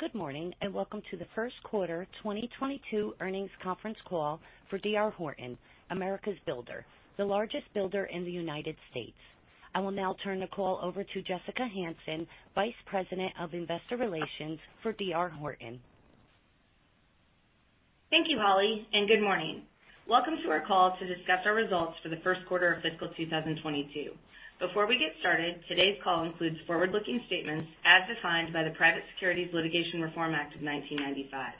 Good morning, and welcome to the first quarter 2022 earnings conference call for D.R. Horton, America's Builder, the largest builder in the United States. I will now turn the call over to Jessica Hansen, Vice President of Investor Relations for D.R. Horton. Thank you, Holly, and good morning. Welcome to our call to discuss our results for the first quarter of fiscal 2022. Before we get started, today's call includes forward-looking statements as defined by the Private Securities Litigation Reform Act of 1995.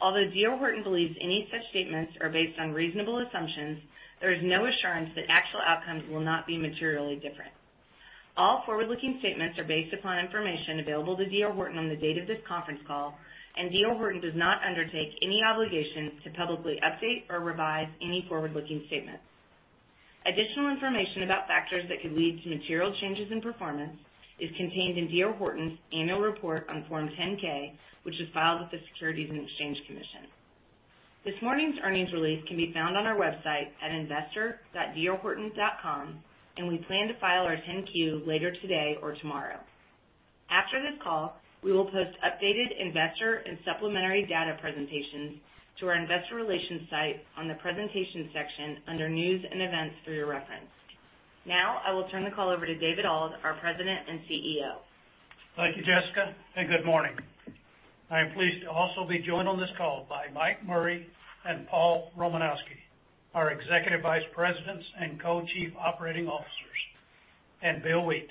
Although D.R. Horton believes any such statements are based on reasonable assumptions, there is no assurance that actual outcomes will not be materially different. All forward-looking statements are based upon information available to D.R. Horton on the date of this conference call, and D.R. Horton does not undertake any obligation to publicly update or revise any forward-looking statements. Additional information about factors that could lead to material changes in performance is contained in D.R. Horton's Annual Report on Form 10-K, which is filed with the Securities and Exchange Commission. This morning's earnings release can be found on our website at investor.drhorton.com, and we plan to file our 10-Q later today or tomorrow. After this call, we will post updated investor and supplementary data presentations to our investor relations site on the Presentation section under News and Events for your reference. Now, I will turn the call over to David Auld, our President and CEO. Thank you, Jessica, and good morning. I am pleased to also be joined on this call by Mike Murray and Paul Romanowski, our Executive Vice Presidents and Co-Chief Operating Officers, and Bill Wheat,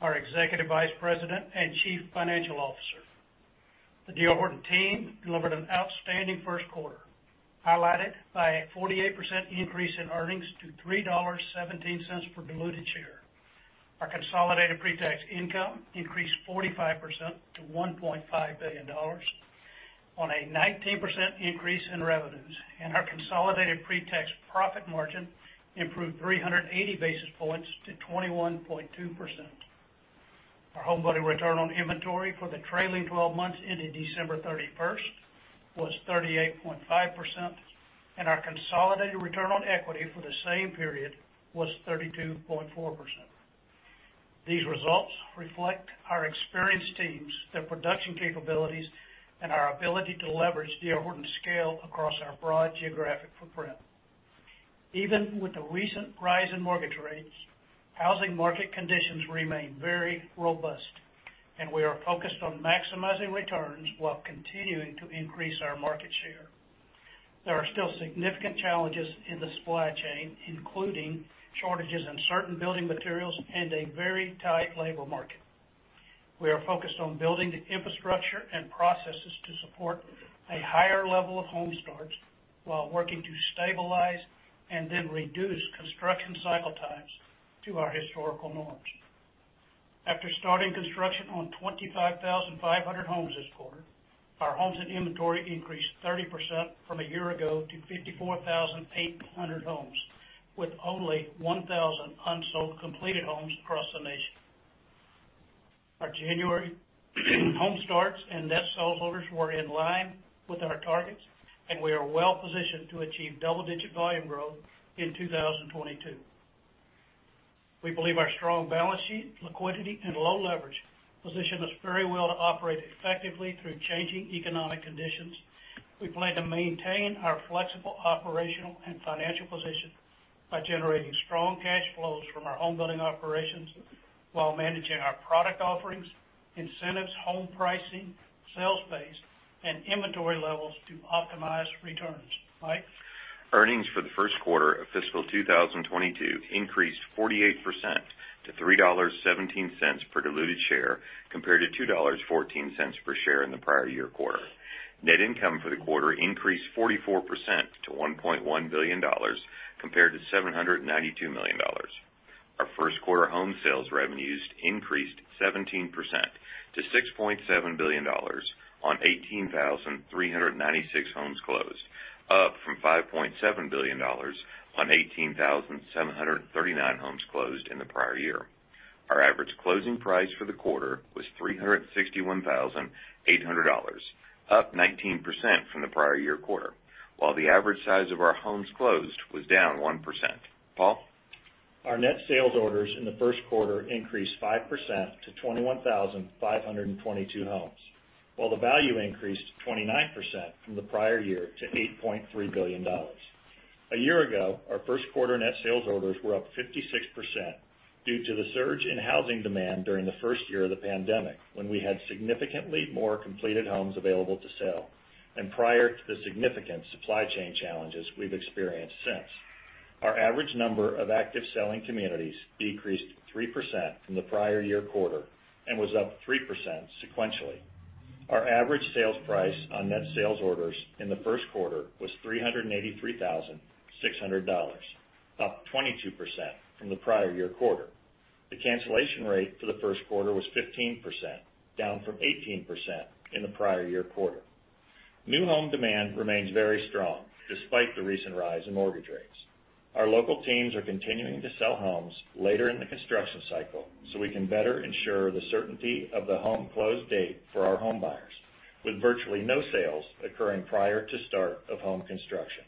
our Executive Vice President and Chief Financial Officer. The D.R. Horton team delivered an outstanding first quarter, highlighted by a 48% increase in earnings to $3.17 per diluted share. Our consolidated pre-tax income increased 45% to $1.5 billion on a 19% increase in revenues, and our consolidated pre-tax profit margin improved 380 basis points to 21.2%. Our homebuilding return on inventory for the trailing twelve months ended December 31 was 38.5%, and our consolidated return on equity for the same period was 32.4%. These results reflect our experienced teams, their production capabilities, and our ability to leverage D.R. Horton's scale across our broad geographic footprint. Even with the recent rise in mortgage rates, housing market conditions remain very robust, and we are focused on maximizing returns while continuing to increase our market share. There are still significant challenges in the supply chain, including shortages in certain building materials and a very tight labor market. We are focused on building the infrastructure and processes to support a higher level of home starts while working to stabilize and then reduce construction cycle times to our historical norms. After starting construction on 25,500 homes this quarter, our homes and inventory increased 30% from a year ago to 54,800 homes, with only 1,000 unsold completed homes across the nation. Our January home starts and net sales orders were in line with our targets, and we are well-positioned to achieve double-digit volume growth in 2022. We believe our strong balance sheet, liquidity, and low leverage position us very well to operate effectively through changing economic conditions. We plan to maintain our flexible operational and financial position by generating strong cash flows from our homebuilding operations while managing our product offerings, incentives, home pricing, sales pace, and inventory levels to optimize returns. Mike? Earnings for the first quarter of fiscal 2022 increased 48%-$3.17 per diluted share compared to $2.14 per share in the prior year quarter. Net income for the quarter increased 44%-$1.1 billion compared to $792 million. Our first quarter home sales revenues increased 17%-$6.7 billion on 18,396 homes closed, up from $5.7 billion on 18,739 homes closed in the prior year. Our average closing price for the quarter was $361,800, up 19% from the prior year quarter, while the average size of our homes closed was down 1%. Paul? Our net sales orders in the first quarter increased 5% to 21,522 homes, while the value increased 29% from the prior year to $8.3 billion. A year ago, our first quarter net sales orders were up 56% due to the surge in housing demand during the first year of the pandemic, when we had significantly more completed homes available to sell and prior to the significant supply chain challenges we've experienced since. Our average number of active selling communities decreased 3% from the prior year quarter and was up 3% sequentially. Our average sales price on net sales orders in the first quarter was $383,600, up 22% from the prior year quarter. The cancellation rate for the first quarter was 15%, down from 18% in the prior year quarter. New home demand remains very strong despite the recent rise in mortgage rates. Our local teams are continuing to sell homes later in the construction cycle, so we can better ensure the certainty of the home close date for our home buyers, with virtually no sales occurring prior to start of home construction.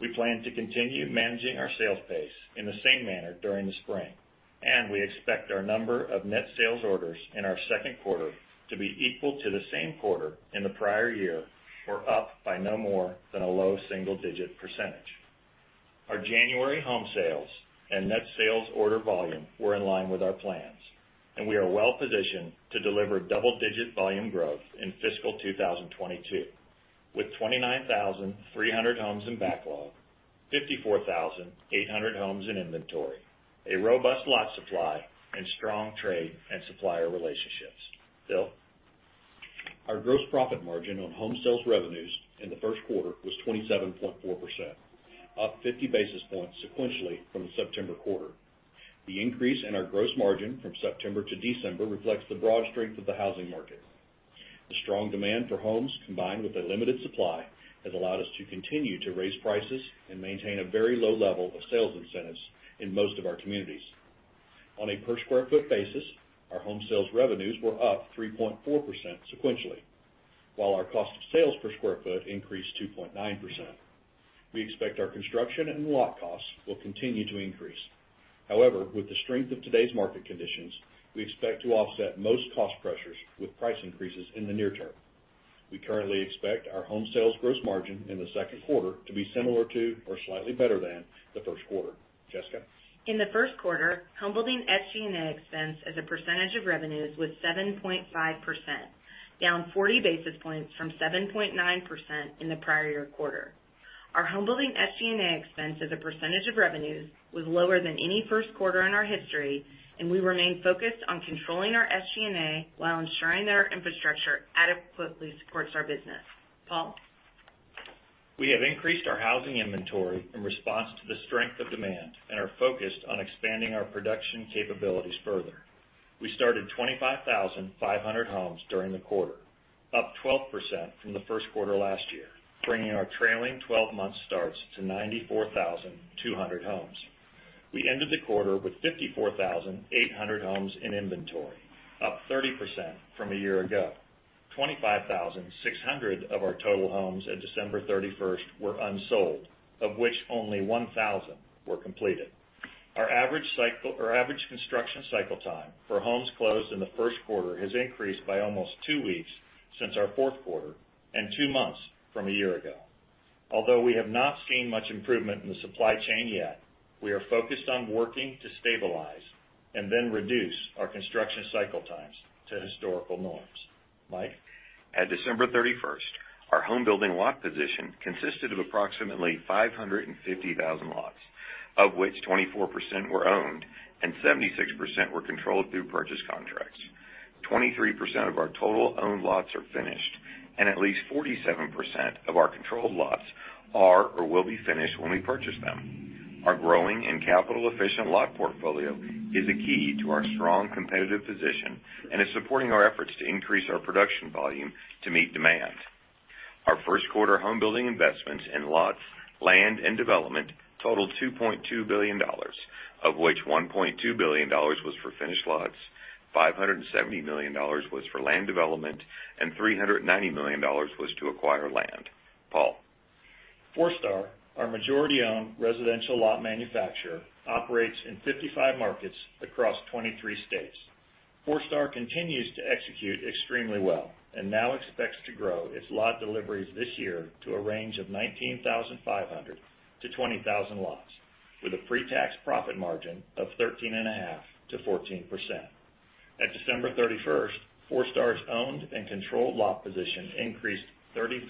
We plan to continue managing our sales pace in the same manner during the spring, and we expect our number of net sales orders in our second quarter to be equal to the same quarter in the prior year, or up by no more than a low single-digit percentage. Our January home sales and net sales order volume were in line with our plans, and we are well positioned to deliver double-digit volume growth in fiscal 2022 with 29,300 homes in backlog, 54,800 homes in inventory, a robust lot supply, and strong trade and supplier relationships. Bill? Our gross profit margin on home sales revenues in the first quarter was 27.4%, up 50 basis points sequentially from the September quarter. The increase in our gross margin from September to December reflects the broad strength of the housing market. The strong demand for homes, combined with a limited supply, has allowed us to continue to raise prices and maintain a very low level of sales incentives in most of our communities. On a per sq ft basis, our home sales revenues were up 3.4% sequentially, while our cost of sales per sq ft increased 2.9%. We expect our construction and lot costs will continue to increase. However, with the strength of today's market conditions, we expect to offset most cost pressures with price increases in the near term. We currently expect our home sales gross margin in the second quarter to be similar to or slightly better than the first quarter. Jessica? In the first quarter, homebuilding SG&A expense as a percentage of revenues was 7.5%, down 40 basis points from 7.9% in the prior year quarter. Our homebuilding SG&A expense as a percentage of revenues was lower than any first quarter in our history, and we remain focused on controlling our SG&A while ensuring that our infrastructure adequately supports our business. Paul? We have increased our housing inventory in response to the strength of demand and are focused on expanding our production capabilities further. We started 25,500 homes during the quarter, up 12% from the first quarter last year, bringing our trailing 12 month starts to 94,200 homes. We ended the quarter with 54,800 homes in inventory, up 30% from a year ago. 25,600 of our total homes at 31st December were unsold, of which only 1,000 were completed. Our average construction cycle time for homes closed in the first quarter has increased by almost two weeks since our fourth quarter and two months from a year ago. Although we have not seen much improvement in the supply chain yet, we are focused on working to stabilize and then reduce our construction cycle times to historical norms. Mike? As of 31st December our homebuilding lot position consisted of approximately 550,000 lots, of which 24% were owned and 76% were controlled through purchase contracts. 23% of our total owned lots are finished, and at least 47% of our controlled lots are or will be finished when we purchase them. Our growing and capital-efficient lot portfolio is a key to our strong competitive position and is supporting our efforts to increase our production volume to meet demand. Our first quarter homebuilding investments in lots, land, and development totaled $2.2 billion, of which $1.2 billion was for finished lots, $570 million was for land development, and $390 million was to acquire land. Paul? Forestar, our majority-owned residential lot development company, operates in 55 markets across 23 states. Forestar continues to execute extremely well and now expects to grow its lot deliveries this year to a range of 19,500-20,000 lots, with a pre-tax profit margin of 13.5%-14%. At 31st December, Forestar's owned and controlled lot position increased 33%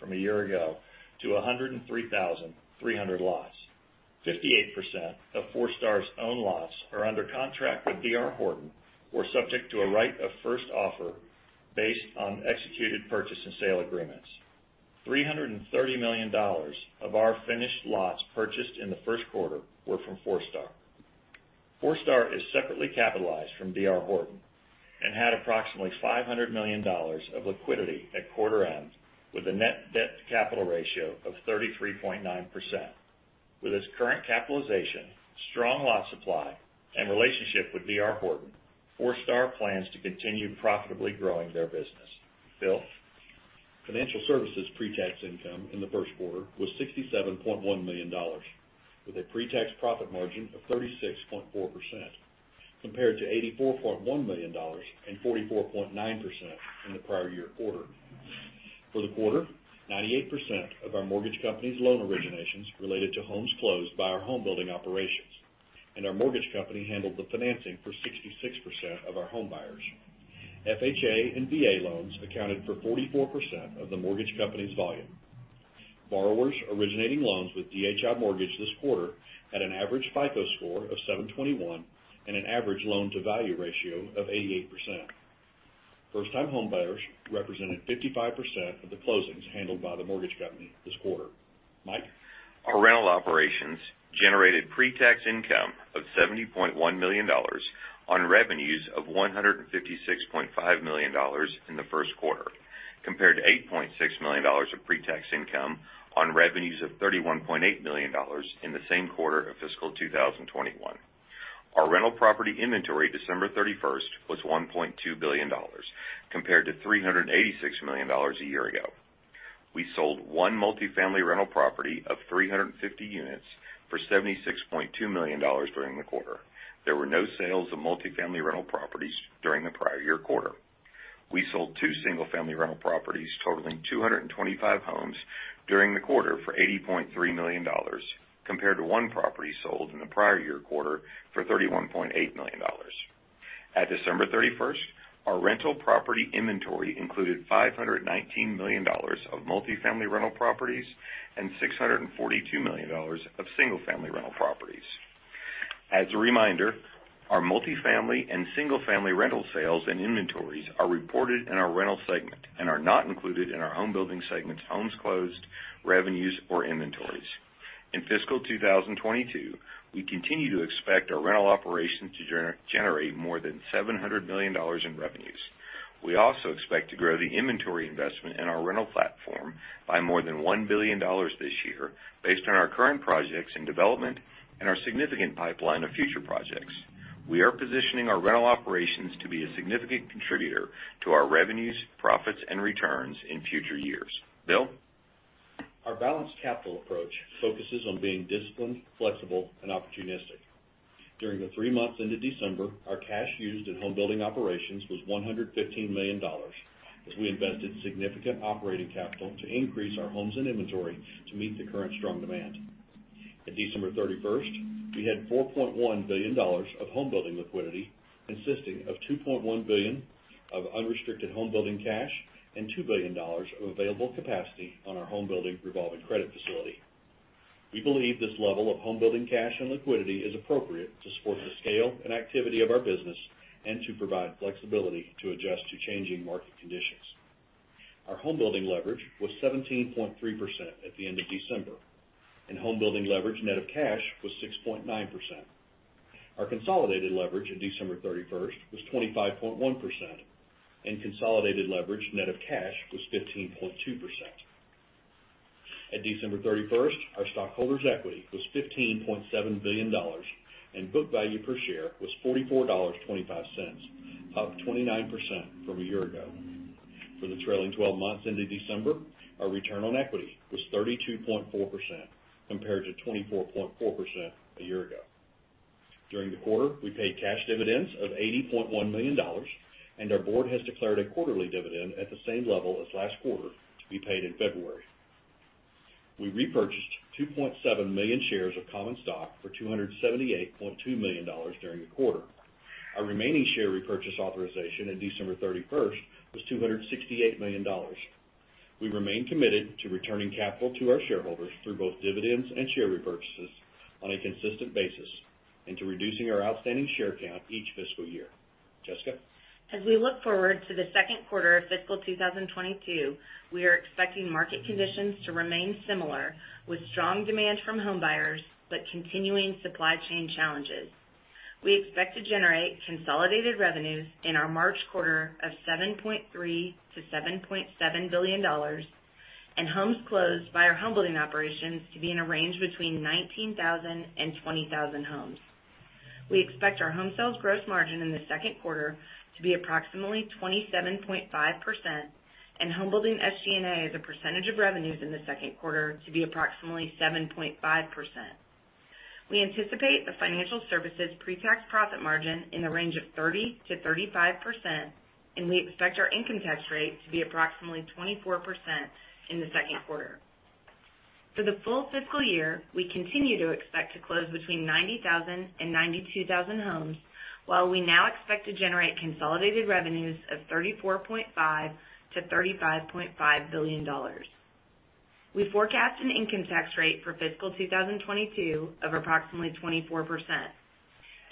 from a year ago to 103,300 lots. 58% of Forestar's own lots are under contract with D.R. Horton or subject to a right of first offer based on executed purchase and sale agreements. $330 million of our finished lots purchased in the first quarter were from Forestar. Forestar is separately capitalized from D.R. Forestar and had approximately $500 million of liquidity at quarter end, with a net debt-to-capital ratio of 33.9%. With its current capitalization, strong lot supply, and relationship with D.R. Horton, Forestar plans to continue profitably growing their business. Bill? Financial Services' pretax income in the first quarter was $67.1 million, with a pretax profit margin of 36.4%, compared to $84.1 million and 44.9% in the prior year quarter. For the quarter, 98% of our mortgage company's loan originations related to homes closed by our homebuilding operations, and our mortgage company handled the financing for 66% of our homebuyers. FHA and VA loans accounted for 44% of the mortgage company's volume. Borrowers originating loans with DHI Mortgage this quarter had an average FICO score of 721 and an average loan-to-value ratio of 88%. First-time homebuyers represented 55% of the closings handled by the mortgage company this quarter. Mike? Our Rental Operations generated pretax income of $70.1 million on revenues of $156.5 million in the first quarter, compared to $8.6 million of pretax income on revenues of $31.8 million in the same quarter of fiscal 2021. Our rental property inventory as of 31st December was $1.2 billion compared to $386 million a year ago. We sold one multifamily rental property of 350 units for $76.2 million during the quarter. There were no sales of multifamily rental properties during the prior year quarter. We sold two single-family rental properties totaling 225 homes during the quarter for $80.3 million compared to one property sold in the prior year quarter for $31.8 million. At December 31st, our rental property inventory included $519 million of multifamily rental properties and $642 million of single-family rental properties. As a reminder, our multifamily and single-family rental sales and inventories are reported in our Rental segment and are not included in our Homebuilding segment's homes closed, revenues, or inventories. In fiscal 2022, we continue to expect our Rental Operations to generate more than $700 million in revenues. We also expect to grow the inventory investment in our rental platform by more than $1 billion this year based on our current projects in development and our significant pipeline of future projects. We are positioning our Rental Operations to be a significant contributor to our revenues, profits, and returns in future years. Bill? Our balanced capital approach focuses on being disciplined, flexible, and opportunistic. During the three months into December, our cash used in home building operations was $115 million as we invested significant operating capital to increase our homes and inventory to meet the current strong demand. At December 31st, we had $4.1 billion of home building liquidity, consisting of $2.1 billion of unrestricted home building cash and $2 billion of available capacity on our home building revolving credit facility. We believe this level of home building cash and liquidity is appropriate to support the scale and activity of our business and to provide flexibility to adjust to changing market conditions. Our home building leverage was 17.3% at the end of December, and home building leverage net of cash was 6.9%. Our consolidated leverage at December 31st was 25.1%, and consolidated leverage net of cash was 15.2%. At December 31st, our stockholders' equity was $15.7 billion, and book value per share was $44.25, up 29% from a year ago. For the trailing twelve months into December, our return on equity was 32.4% compared to 24.4% a year ago. During the quarter, we paid cash dividends of $80.1 million, and our board has declared a quarterly dividend at the same level as last quarter to be paid in February. We repurchased 2.7 million shares of common stock for $278.2 million during the quarter. Our remaining share repurchase authorization at December 31 was $268 million. We remain committed to returning capital to our shareholders through both dividends and share repurchases on a consistent basis and to reducing our outstanding share count each fiscal year. Jessica? As we look forward to the second quarter of fiscal 2022, we are expecting market conditions to remain similar with strong demand from homebuyers, but continuing supply chain challenges. We expect to generate consolidated revenues in our March quarter of $7.3 billion-$7.7 billion and homes closed by our home building operations to be in a range between 19,000 and 20,000 homes. We expect our home sales gross margin in the second quarter to be approximately 27.5% and home building SG&A as a percentage of revenues in the second quarter to be approximately 7.5%. We anticipate the Financial Services pre-tax profit margin in the range of 30%-35%, and we expect our income tax rate to be approximately 24% in the second quarter. For the full fiscal year, we continue to expect to close between 90,000 and 92,000 homes, while we now expect to generate consolidated revenues of $34.5 billion-$35.5 billion. We forecast an income tax rate for fiscal 2022 of approximately 24%,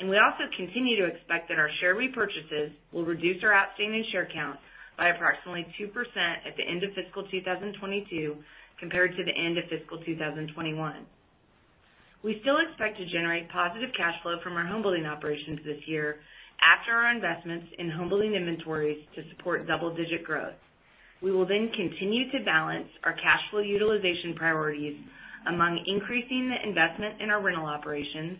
and we also continue to expect that our share repurchases will reduce our outstanding share count by approximately 2% at the end of fiscal 2022 compared to the end of fiscal 2021. We still expect to generate positive cash flow from our home building operations this year after our investments in home building inventories to support double-digit growth. We will then continue to balance our cash flow utilization priorities among increasing the investment in our Rental Operations,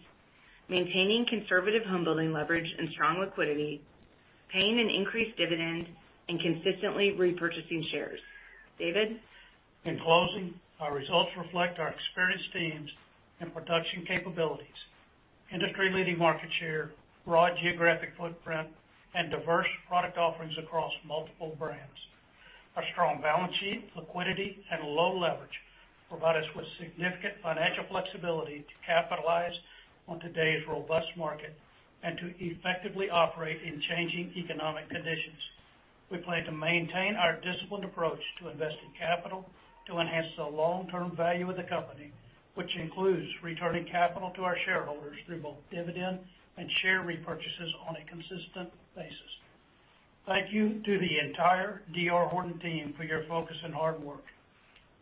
maintaining conservative homebuilding leverage and strong liquidity, paying an increased dividend, and consistently repurchasing shares. David? In closing, our results reflect our experienced teams and production capabilities, industry-leading market share, broad geographic footprint, and diverse product offerings across multiple brands. Our strong balance sheet, liquidity, and low leverage provide us with significant financial flexibility to capitalize on today's robust market and to effectively operate in changing economic conditions. We plan to maintain our disciplined approach to investing capital to enhance the long-term value of the company, which includes returning capital to our shareholders through both dividend and share repurchases on a consistent basis. Thank you to the entire D.R. Horton team for your focus and hard work.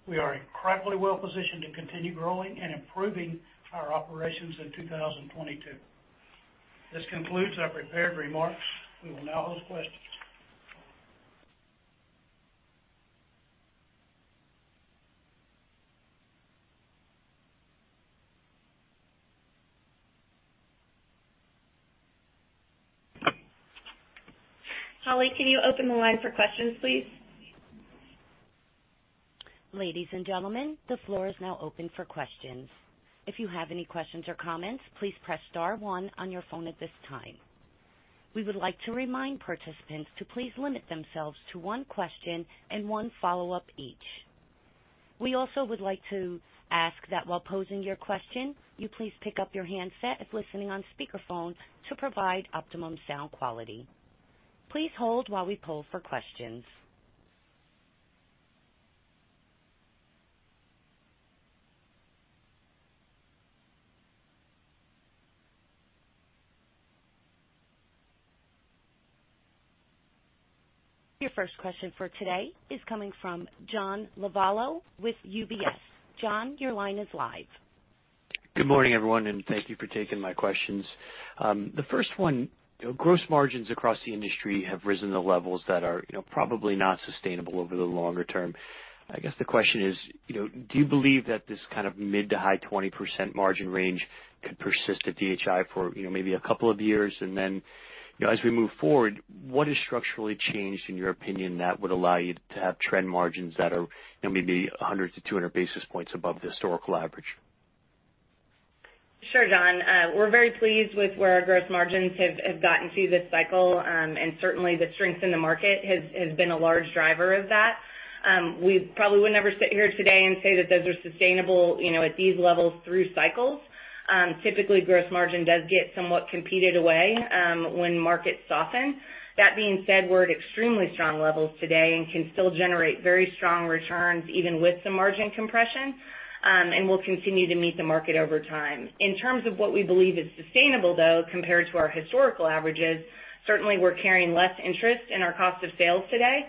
We are incredibly well positioned to continue growing and improving our operations in 2022. This concludes our prepared remarks. We will now host questions. Holly, can you open the line for questions, please? Ladies and gentlemen, the floor is now open for questions. If you have any questions or comments, please Press Star one on your phone at this time. We would like to remind participants to please limit themselves to one question and one follow-up each. We also would like to ask that while posing your question, you please pick up your handset if listening on speakerphone to provide optimum sound quality. Please hold while we poll for questions. Your first question for today is coming from John Lovallo with UBS. John, your line is live. Good morning, everyone, and thank you for taking my questions. The first one, gross margins across the industry have risen to levels that are, you know, probably not sustainable over the longer term. I guess the question is, you know, do you believe that this kind of mid- to high-20% margin range could persist at DHI for, you know, maybe a couple of years? You know, as we move forward, what has structurally changed, in your opinion, that would allow you to have trend margins that are, you know, maybe 100-200 basis points above the historical average? Sure, John. We're very pleased with where our gross margins have gotten through this cycle. Certainly the strength in the market has been a large driver of that. We probably would never sit here today and say that those are sustainable, you know, at these levels through cycles. Typically, gross margin does get somewhat competed away when markets soften. That being said, we're at extremely strong levels today and can still generate very strong returns even with some margin compression, and we'll continue to meet the market over time. In terms of what we believe is sustainable, though, compared to our historical averages, certainly we're carrying less interest in our cost of sales today.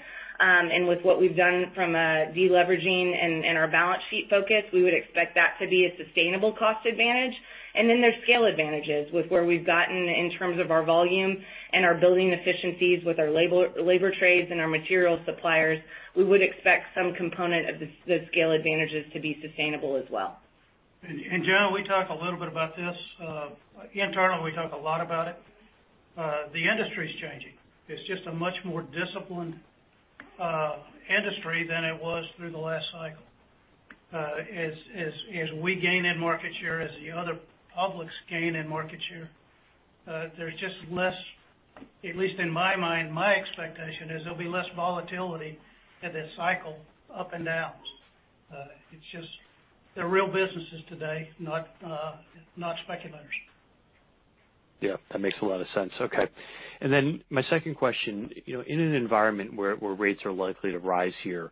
With what we've done from a deleveraging and our balance sheet focus, we would expect that to be a sustainable cost advantage. There's scale advantages with where we've gotten in terms of our volume and our building efficiencies with our labor trades and our material suppliers. We would expect some component of the scale advantages to be sustainable as well. John, we talk a little bit about this. Internally, we talk a lot about it. The industry is changing. It's just a much more disciplined industry than it was through the last cycle. As we gain in market share, as the other publics gain in market share, there's just less, at least in my mind, my expectation is there'll be less volatility in this cycle ups and downs. It's just they're real businesses today, not speculators. Yeah, that makes a lot of sense. Okay. My second question. You know, in an environment where rates are likely to rise here,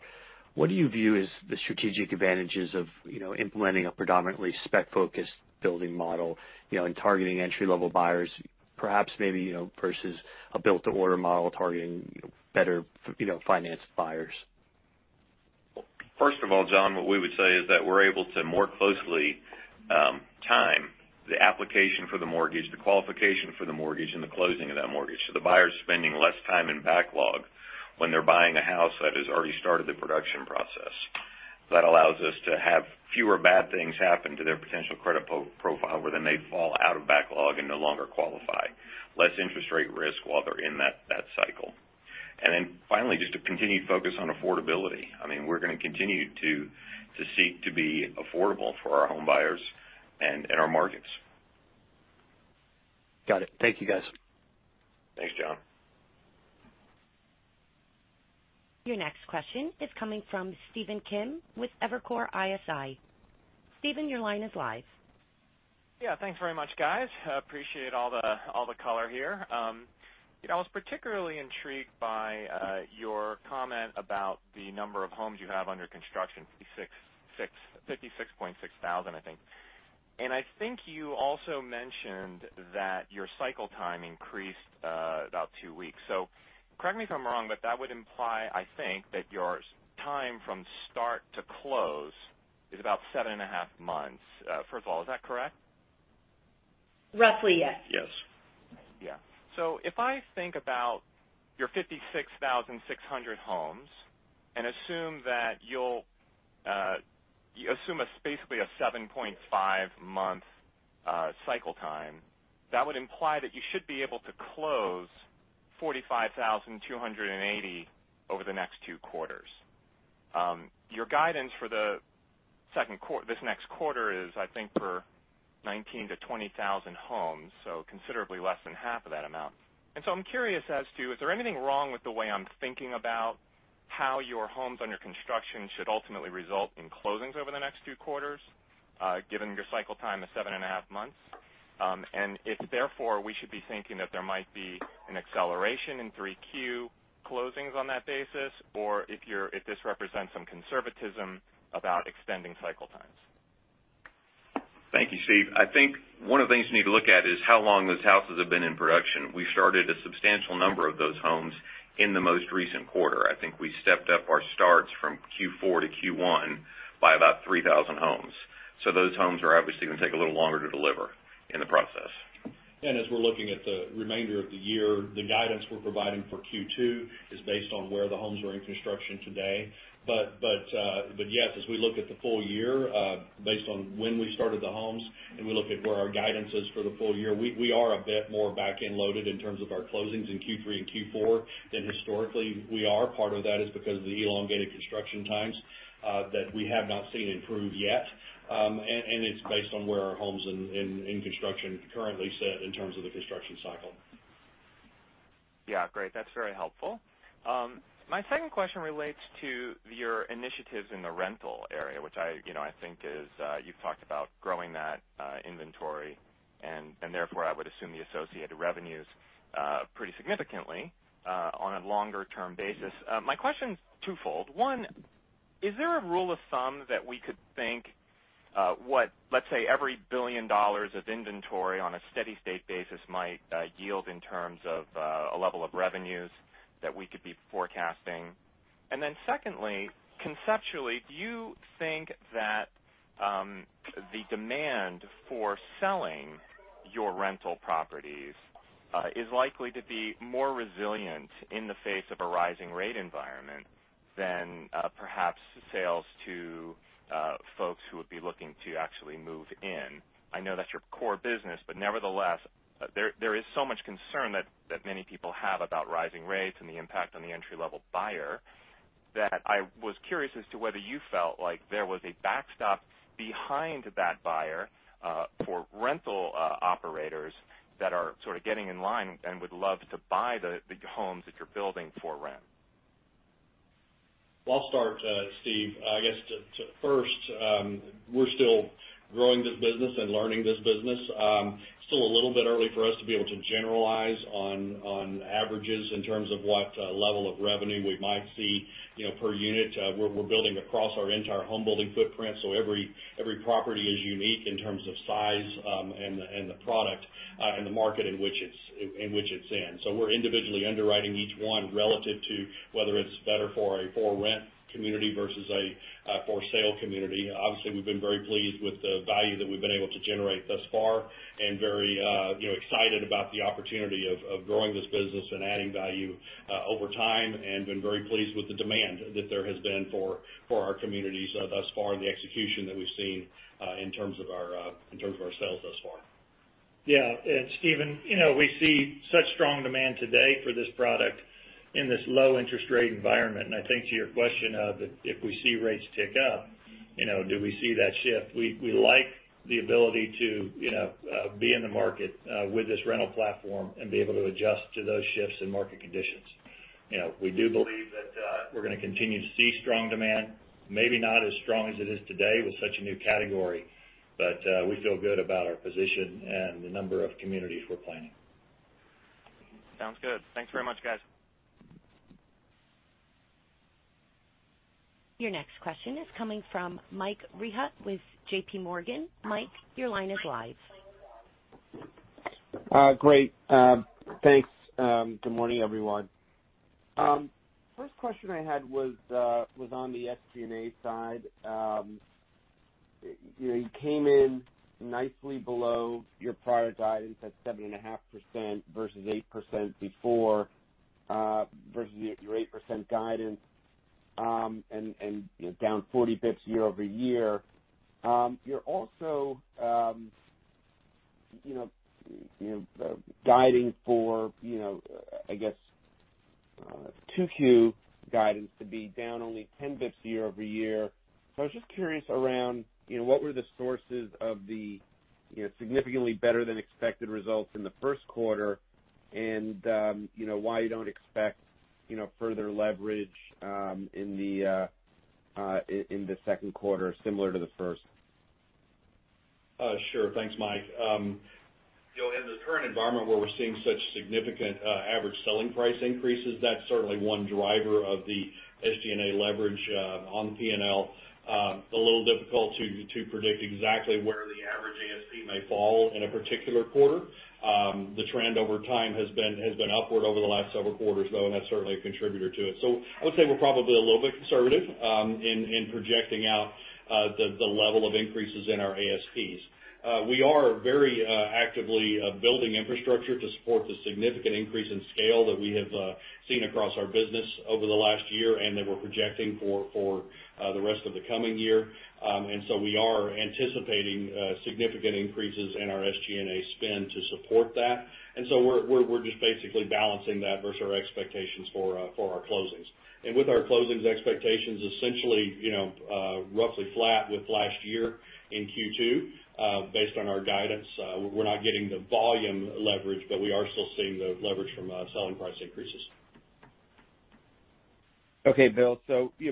what do you view as the strategic advantages of, you know, implementing a predominantly spec-focused building model, you know, and targeting entry-level buyers, perhaps maybe, you know, versus a built to order model targeting better financed buyers? First of all, John, what we would say is that we're able to more closely time the application for the mortgage, the qualification for the mortgage, and the closing of that mortgage. The buyer's spending less time in backlog when they're buying a house that has already started the production process. That allows us to have fewer bad things happen to their potential credit profile where then they fall out of backlog and no longer qualify. Less interest rate risk while they're in that cycle. Finally, just a continued focus on affordability. I mean, we're going to continue to seek to be affordable for our home buyers and in our markets. Got it. Thank you, guys. Thanks, John. Your next question is coming from Stephen Kim with Evercore ISI. Stephen, your line is live. Yeah, thanks very much, guys. Appreciate all the color here. You know, I was particularly intrigued by your comment about the number of homes you have under construction, 56.6 thousand, I think. I think you also mentioned that your cycle time increased about two weeks. Correct me if I'm wrong, but that would imply, I think, that your time from start to close is about seven and a half months. First of all, is that correct? Roughly, yes. Yes. Yeah. If I think about your 56,600 homes and assume that you'll assume it's basically a 7.5 month cycle time, that would imply that you should be able to close 45,280 over the next two quarters. Your guidance for this next quarter is, I think, for 19,000-20,000 homes, so considerably less than half of that amount. I'm curious as to is there anything wrong with the way I'm thinking about how your homes under construction should ultimately result in closings over the next two quarters, given your cycle time is 7.5 months? If therefore, we should be thinking that there might be an acceleration in 3Q closings on that basis, or if this represents some conservatism about extending cycle times. Thank you, Steve. I think one of the things you need to look at is how long those houses have been in production. We started a substantial number of those homes in the most recent quarter. I think we stepped up our starts from Q4-Q1 by about 3,000 homes. Those homes are obviously going to take a little longer to deliver in the process. As we're looking at the remainder of the year, the guidance we're providing for Q2 is based on where the homes are in construction today. Yes, as we look at the full year, based on when we started the homes and we look at where our guidance is for the full year, we are a bit more back-end loaded in terms of our closings in Q3 and Q4 than historically we are. Part of that is because of the elongated construction times that we have not seen improve yet. It's based on where our homes in construction currently sit in terms of the construction cycle. Yeah. Great. That's very helpful. My second question relates to your initiatives in the rental area, which I, you know, I think is, you've talked about growing that, inventory and therefore I would assume the associated revenues, pretty significantly, on a longer-term basis. My question's twofold. One, is there a rule of thumb that we could think, what, let's say, every $1 billion of inventory on a steady-state basis might, yield in terms of, a level of revenues that we could be forecasting? And then secondly, conceptually, do you think that, the demand for selling your rental properties, is likely to be more resilient in the face of a rising rate environment than, perhaps sales to, folks who would be looking to actually move in? I know that's your core business, but nevertheless, there is so much concern that many people have about rising rates and the impact on the entry-level buyer that I was curious as to whether you felt like there was a backstop behind that buyer, for rental operators that are sort of getting in line and would love to buy the homes that you're building for rent. Well, I'll start, Steve. I guess to first, we're still growing this business and learning this business. Still a little bit early for us to be able to generalize on averages in terms of what level of revenue we might see, you know, per unit. We're building across our entire home building footprint, so every property is unique in terms of size, and the product, and the market in which it's in. We're individually underwriting each one relative to whether it's better for a for-rent community versus a for-sale community. Obviously, we've been very pleased with the value that we've been able to generate thus far and very, you know, excited about the opportunity of growing this business and adding value over time, and been very pleased with the demand that there has been for our communities thus far and the execution that we've seen in terms of our sales thus far. Yeah. Stephen, you know, we see such strong demand today for this product in this low interest rate environment. I think to your question of if we see rates tick up, you know, do we see that shift? We like the ability to, you know, be in the market with this rental platform and be able to adjust to those shifts in market conditions. You know, we do believe that, we're gonna continue to see strong demand, maybe not as strong as it is today with such a new category, but, we feel good about our position and the number of communities we're planning. Sounds good. Thanks very much, guys. Your next question is coming from Michael Rehaut with JPMorgan. Mike, your line is live. Great. Thanks. Good morning, everyone. First question I had was on the SG&A side. You know, you came in nicely below your prior guidance at 7.5% versus 8% before, versus your 8% guidance, and you know, down 40 basis points year-over-year. You're also, you know, guiding for 2Q guidance to be down only 10 basis points year-over-year. I was just curious around, you know, what were the sources of the, you know, significantly better than expected results in the first quarter and, you know, why you don't expect, you know, further leverage in the second quarter similar to the first? Sure. Thanks, Mike. You know, in the current environment where we're seeing such significant average selling price increases, that's certainly one driver of the SG&A leverage on P&L. A little difficult to predict exactly where the average ASP may fall in a particular quarter. The trend over time has been upward over the last several quarters, though, and that's certainly a contributor to it. I would say we're probably a little bit conservative in projecting out the level of increases in our ASPs. We are very actively building infrastructure to support the significant increase in scale that we have seen across our business over the last year and that we're projecting for the rest of the coming year. We are anticipating significant increases in our SG&A spend to support that. We're just basically balancing that versus our expectations for our closings. With our closings expectations, essentially, you know, roughly flat with last year in Q2, based on our guidance, we're not getting the volume leverage, but we are still seeing the leverage from selling price increases. Okay, Bill,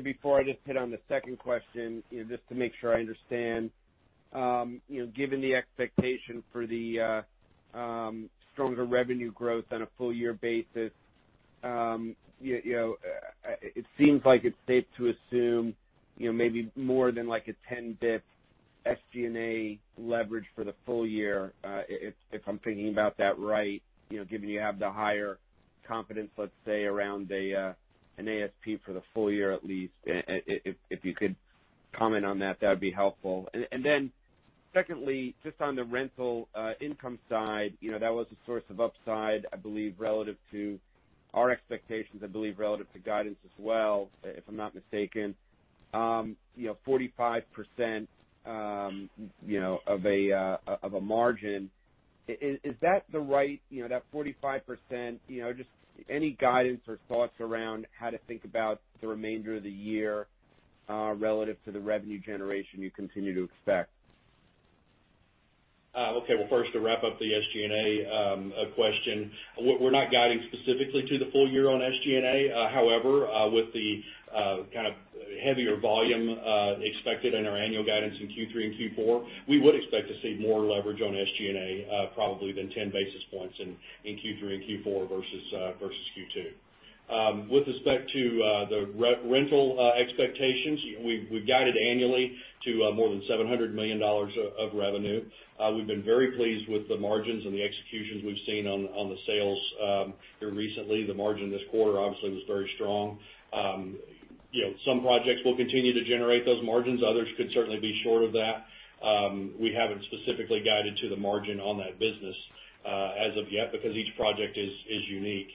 before I just hit on the second question, you know, just to make sure I understand, given the expectation for the stronger revenue growth on a full year basis, you know, it seems like it's safe to assume, you know, maybe more than like a 10 basis points SG&A leverage for the full year, if I'm thinking about that right, you know, given you have the higher confidence, let's say, around an ASP for the full year at least, if you could comment on that would be helpful. Secondly, just on the rental income side, you know, that was a source of upside, I believe, relative to our expectations, I believe relative to guidance as well, if I'm not mistaken. You know, 45% of a margin. Is that the right 45%, you know, just any guidance or thoughts around how to think about the remainder of the year relative to the revenue generation you continue to expect? Okay. Well, first to wrap up the SG&A question, we're not guiding specifically to the full year on SG&A. However, with the kind of heavier volume expected in our annual guidance in Q3 and Q4, we would expect to see more leverage on SG&A, probably than ten basis points in Q3 and Q4 versus Q2. With respect to the rental expectations, we've guided annually to more than $700 million of revenue. We've been very pleased with the margins and the executions we've seen on the sales here recently. The margin this quarter obviously was very strong. You know, some projects will continue to generate those margins, others could certainly be short of that. We haven't specifically guided to the margin on that business as of yet, because each project is unique.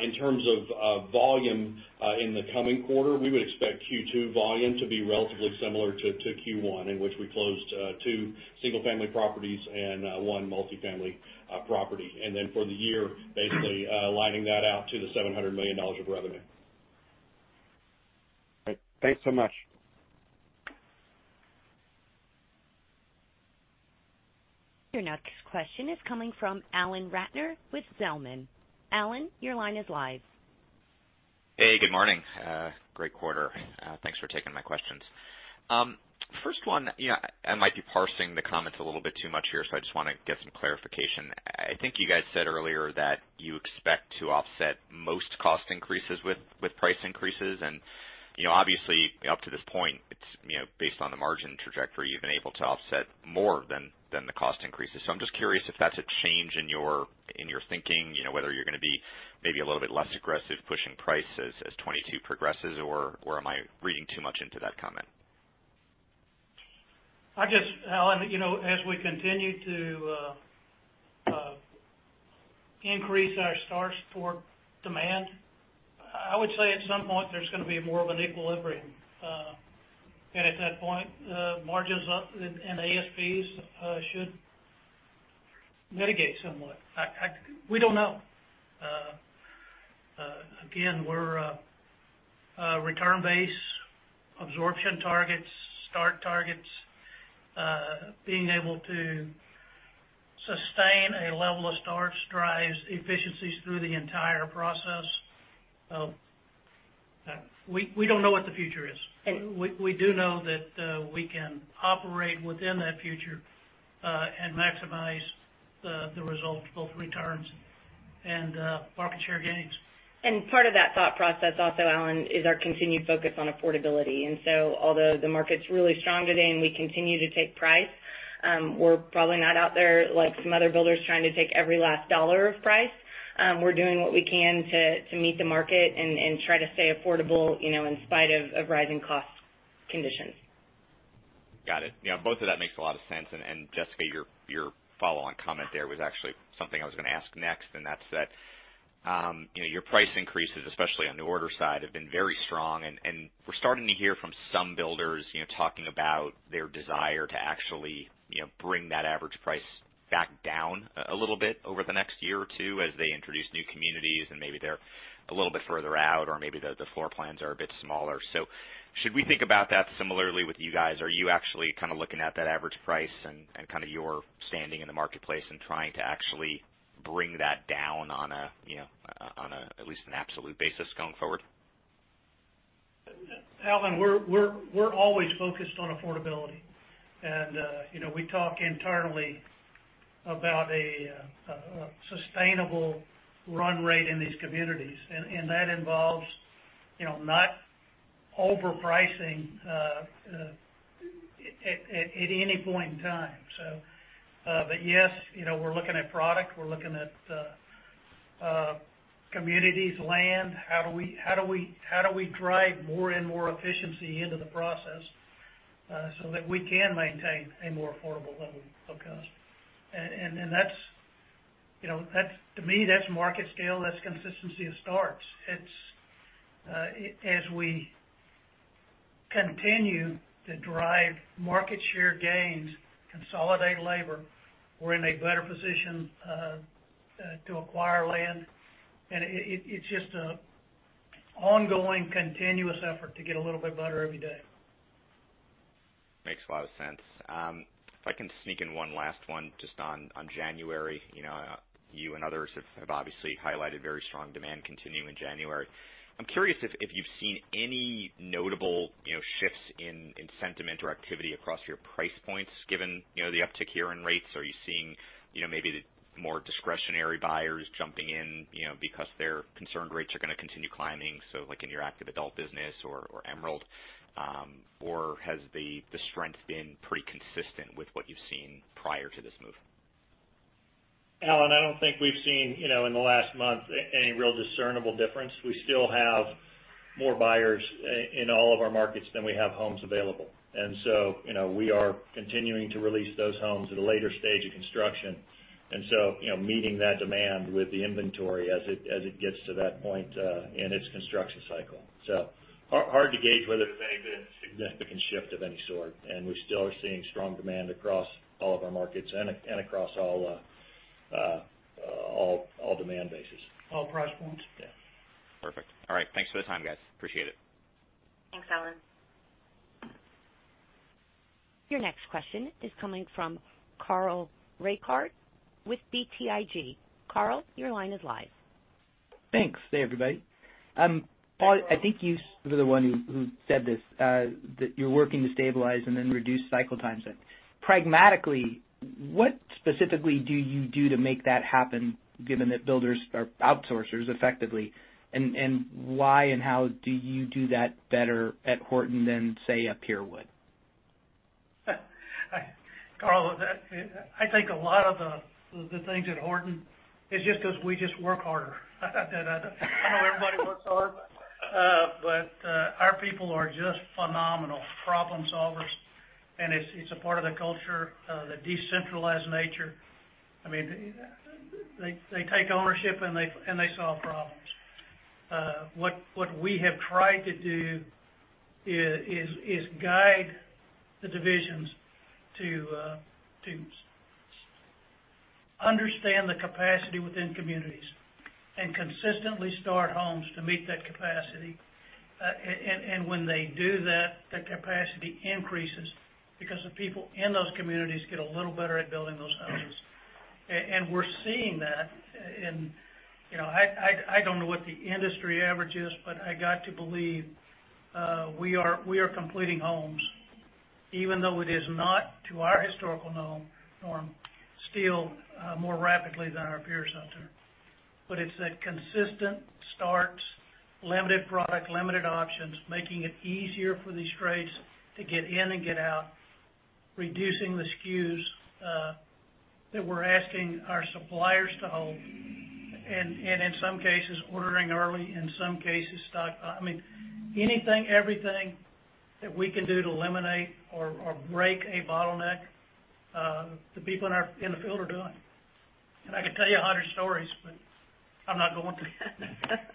In terms of volume in the coming quarter, we would expect Q2 volume to be relatively similar to Q1, in which we closed two single family properties and one multifamily property. Then for the year, basically lining that out to $700 million of revenue. All right. Thanks so much. Your next question is coming from Alan Ratner with Zelman. Alan, your line is live. Hey, good morning. Great quarter. Thanks for taking my questions. First one, you know, I might be parsing the comments a little bit too much here, so I just wanna get some clarification. I think you guys said earlier that you expect to offset most cost increases with price increases. You know, obviously up to this point, it's, you know, based on the margin trajectory, you've been able to offset more than the cost increases. I'm just curious if that's a change in your thinking, you know, whether you're gonna be maybe a little bit less aggressive pushing price as 2022 progresses, or am I reading too much into that comment? I guess, Alan, you know, as we continue to increase our starts for demand, I would say at some point, there's gonna be more of an equilibrium. At that point, margins up and ASPs should mitigate somewhat. We don't know. Again, we're return-based absorption targets, start targets, being able to sustain a level of starts, drives efficiencies through the entire process. We don't know what the future is. We do know that we can operate within that future and maximize the results, both returns and market share gains. Part of that thought process also, Alan, is our continued focus on affordability. Although the market's really strong today and we continue to take price, we're probably not out there like some other builders trying to take every last dollar of price. We're doing what we can to meet the market and try to stay affordable, you know, in spite of rising cost conditions. Got it. Yeah, both of those makes a lot of sense. Jessica, your follow on comment there was actually something I was gonna ask next, and that's that, you know, your price increases, especially on the order side, have been very strong. We're starting to hear from some builders, you know, talking about their desire to actually, you know, bring that average price back down a little bit over the next year or two as they introduce new communities, and maybe they're a little bit further out or maybe the floor plans are a bit smaller. Should we think about that similarly with you guys? Are you actually kind of looking at that average price and kind of your standing in the marketplace and trying to actually bring that down on a, you know, at least an absolute basis going forward? Alan, we're always focused on affordability. You know, we talk internally about a sustainable run rate in these communities. That involves, you know, not overpricing at any point in time. But yes, you know, we're looking at product, we're looking at communities, land, how do we drive more and more efficiency into the process so that we can maintain a more affordable level of cost. That's, you know, that's to me, that's market scale, that's consistency of starts. It's as we continue to drive market share gains, consolidate labor, we're in a better position to acquire land. It's just an ongoing continuous effort to get a little bit better every day. Makes a lot of sense. If I can sneak in one last one just on January. You know, you and others have obviously highlighted very strong demand continuing in January. I'm curious if you've seen any notable, you know, shifts in sentiment or activity across your price points given, you know, the uptick in year-end rates. Are you seeing, you know, maybe the more discretionary buyers jumping in, you know, because they're concerned rates are gonna continue climbing, so like in your active adult business or Emerald? Or has the strength been pretty consistent with what you've seen prior to this move? Alan, I don't think we've seen, you know, in the last month any real discernible difference. We still have more buyers in all of our markets than we have homes available. You know, we are continuing to release those homes at a later stage of construction, you know, meeting that demand with the inventory as it gets to that point in its construction cycle. Hard to gauge whether there's been any significant shift of any sort. We still are seeing strong demand across all of our markets and across all demand bases. All price points? Yeah. Perfect. All right. Thanks for the time, guys. Appreciate it. Thanks, Alan. Your next question is coming from Carl Reichardt with BTIG. Carl, your line is live. Thanks. Hey, everybody. Paul, I think you were the one who said this, that you're working to stabilize and then reduce cycle times then. Pragmatically, what specifically do you do to make that happen, given that builders are outsourcers effectively? Why and how do you do that better at Horton than, say, a peer would? Carl, I think a lot of the things at Horton is just 'cause we just work harder. I know everybody works hard, but our people are just phenomenal problem-solvers, and it's a part of the culture, the decentralized nature. I mean, they take ownership, and they solve problems. What we have tried to do is guide the divisions to understand the capacity within communities and consistently start homes to meet that capacity. And when they do that, the capacity increases because the people in those communities get a little better at building those homes. And we're seeing that in You know, I don't know what the industry average is, but I got to believe we are completing homes, even though it is not to our historical norm, still more rapidly than our peers out there. It's that consistent starts, limited product, limited options, making it easier for these trades to get in and get out, reducing the SKUs that we're asking our suppliers to hold, in some cases ordering early, in some cases stock. I mean, anything, everything that we can do to eliminate or break a bottleneck, the people in our field are doing. I could tell you a hundred stories, but I'm not going to.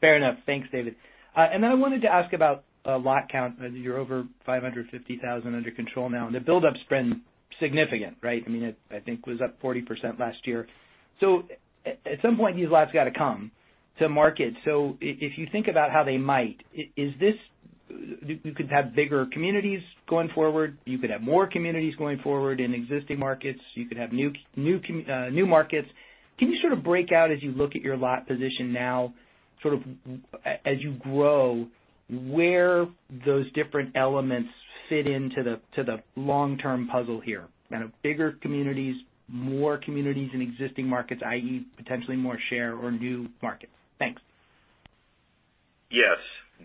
Fair enough. Thanks, David. I wanted to ask about lot count. You're over 550,000 under control now, and the buildup's been significant, right? I mean, it, I think was up 40% last year. At some point, these lots gotta come to market. If you think about how they might, you could have bigger communities going forward, you could have more communities going forward in existing markets, you could have new markets. Can you sort of break out as you look at your lot position now, sort of as you grow, where those different elements fit into the long-term puzzle here? Kind of bigger communities, more communities in existing markets, i.e., potentially more share or new markets. Thanks. Yes.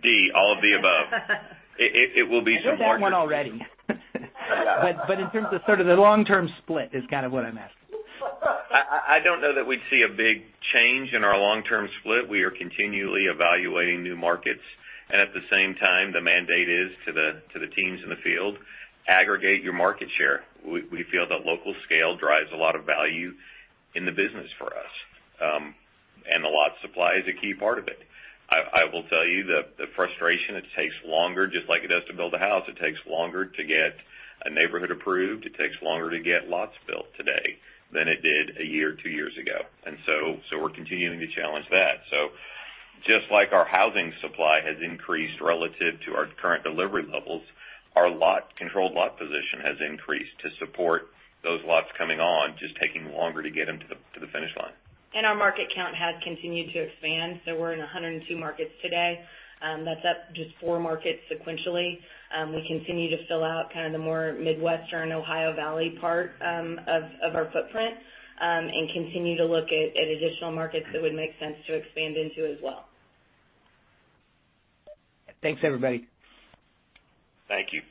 D, all of the above. It will be some markets. I heard that one already. In terms of sort of the long-term split is kind of what I meant. I don't know that we'd see a big change in our long-term split. We are continually evaluating new markets. At the same time, the mandate is to the teams in the field, aggregate your market share. We feel that local scale drives a lot of value in the business for us. The lot supply is a key part of it. I will tell you the frustration, it takes longer, just like it does to build a house. It takes longer to get a neighborhood approved, it takes longer to get lots built today than it did a year or two years ago. We're continuing to challenge that. Just like our housing supply has increased relative to our current delivery levels, our lot-controlled lot position has increased to support those lots coming on, just taking longer to get them to the finish line. Our market count has continued to expand, so we're in 102 markets today. That's up just four markets sequentially. We continue to fill out kind of the more Midwestern Ohio Valley part of our footprint and continue to look at additional markets that would make sense to expand into as well. Thanks, everybody. Thank you.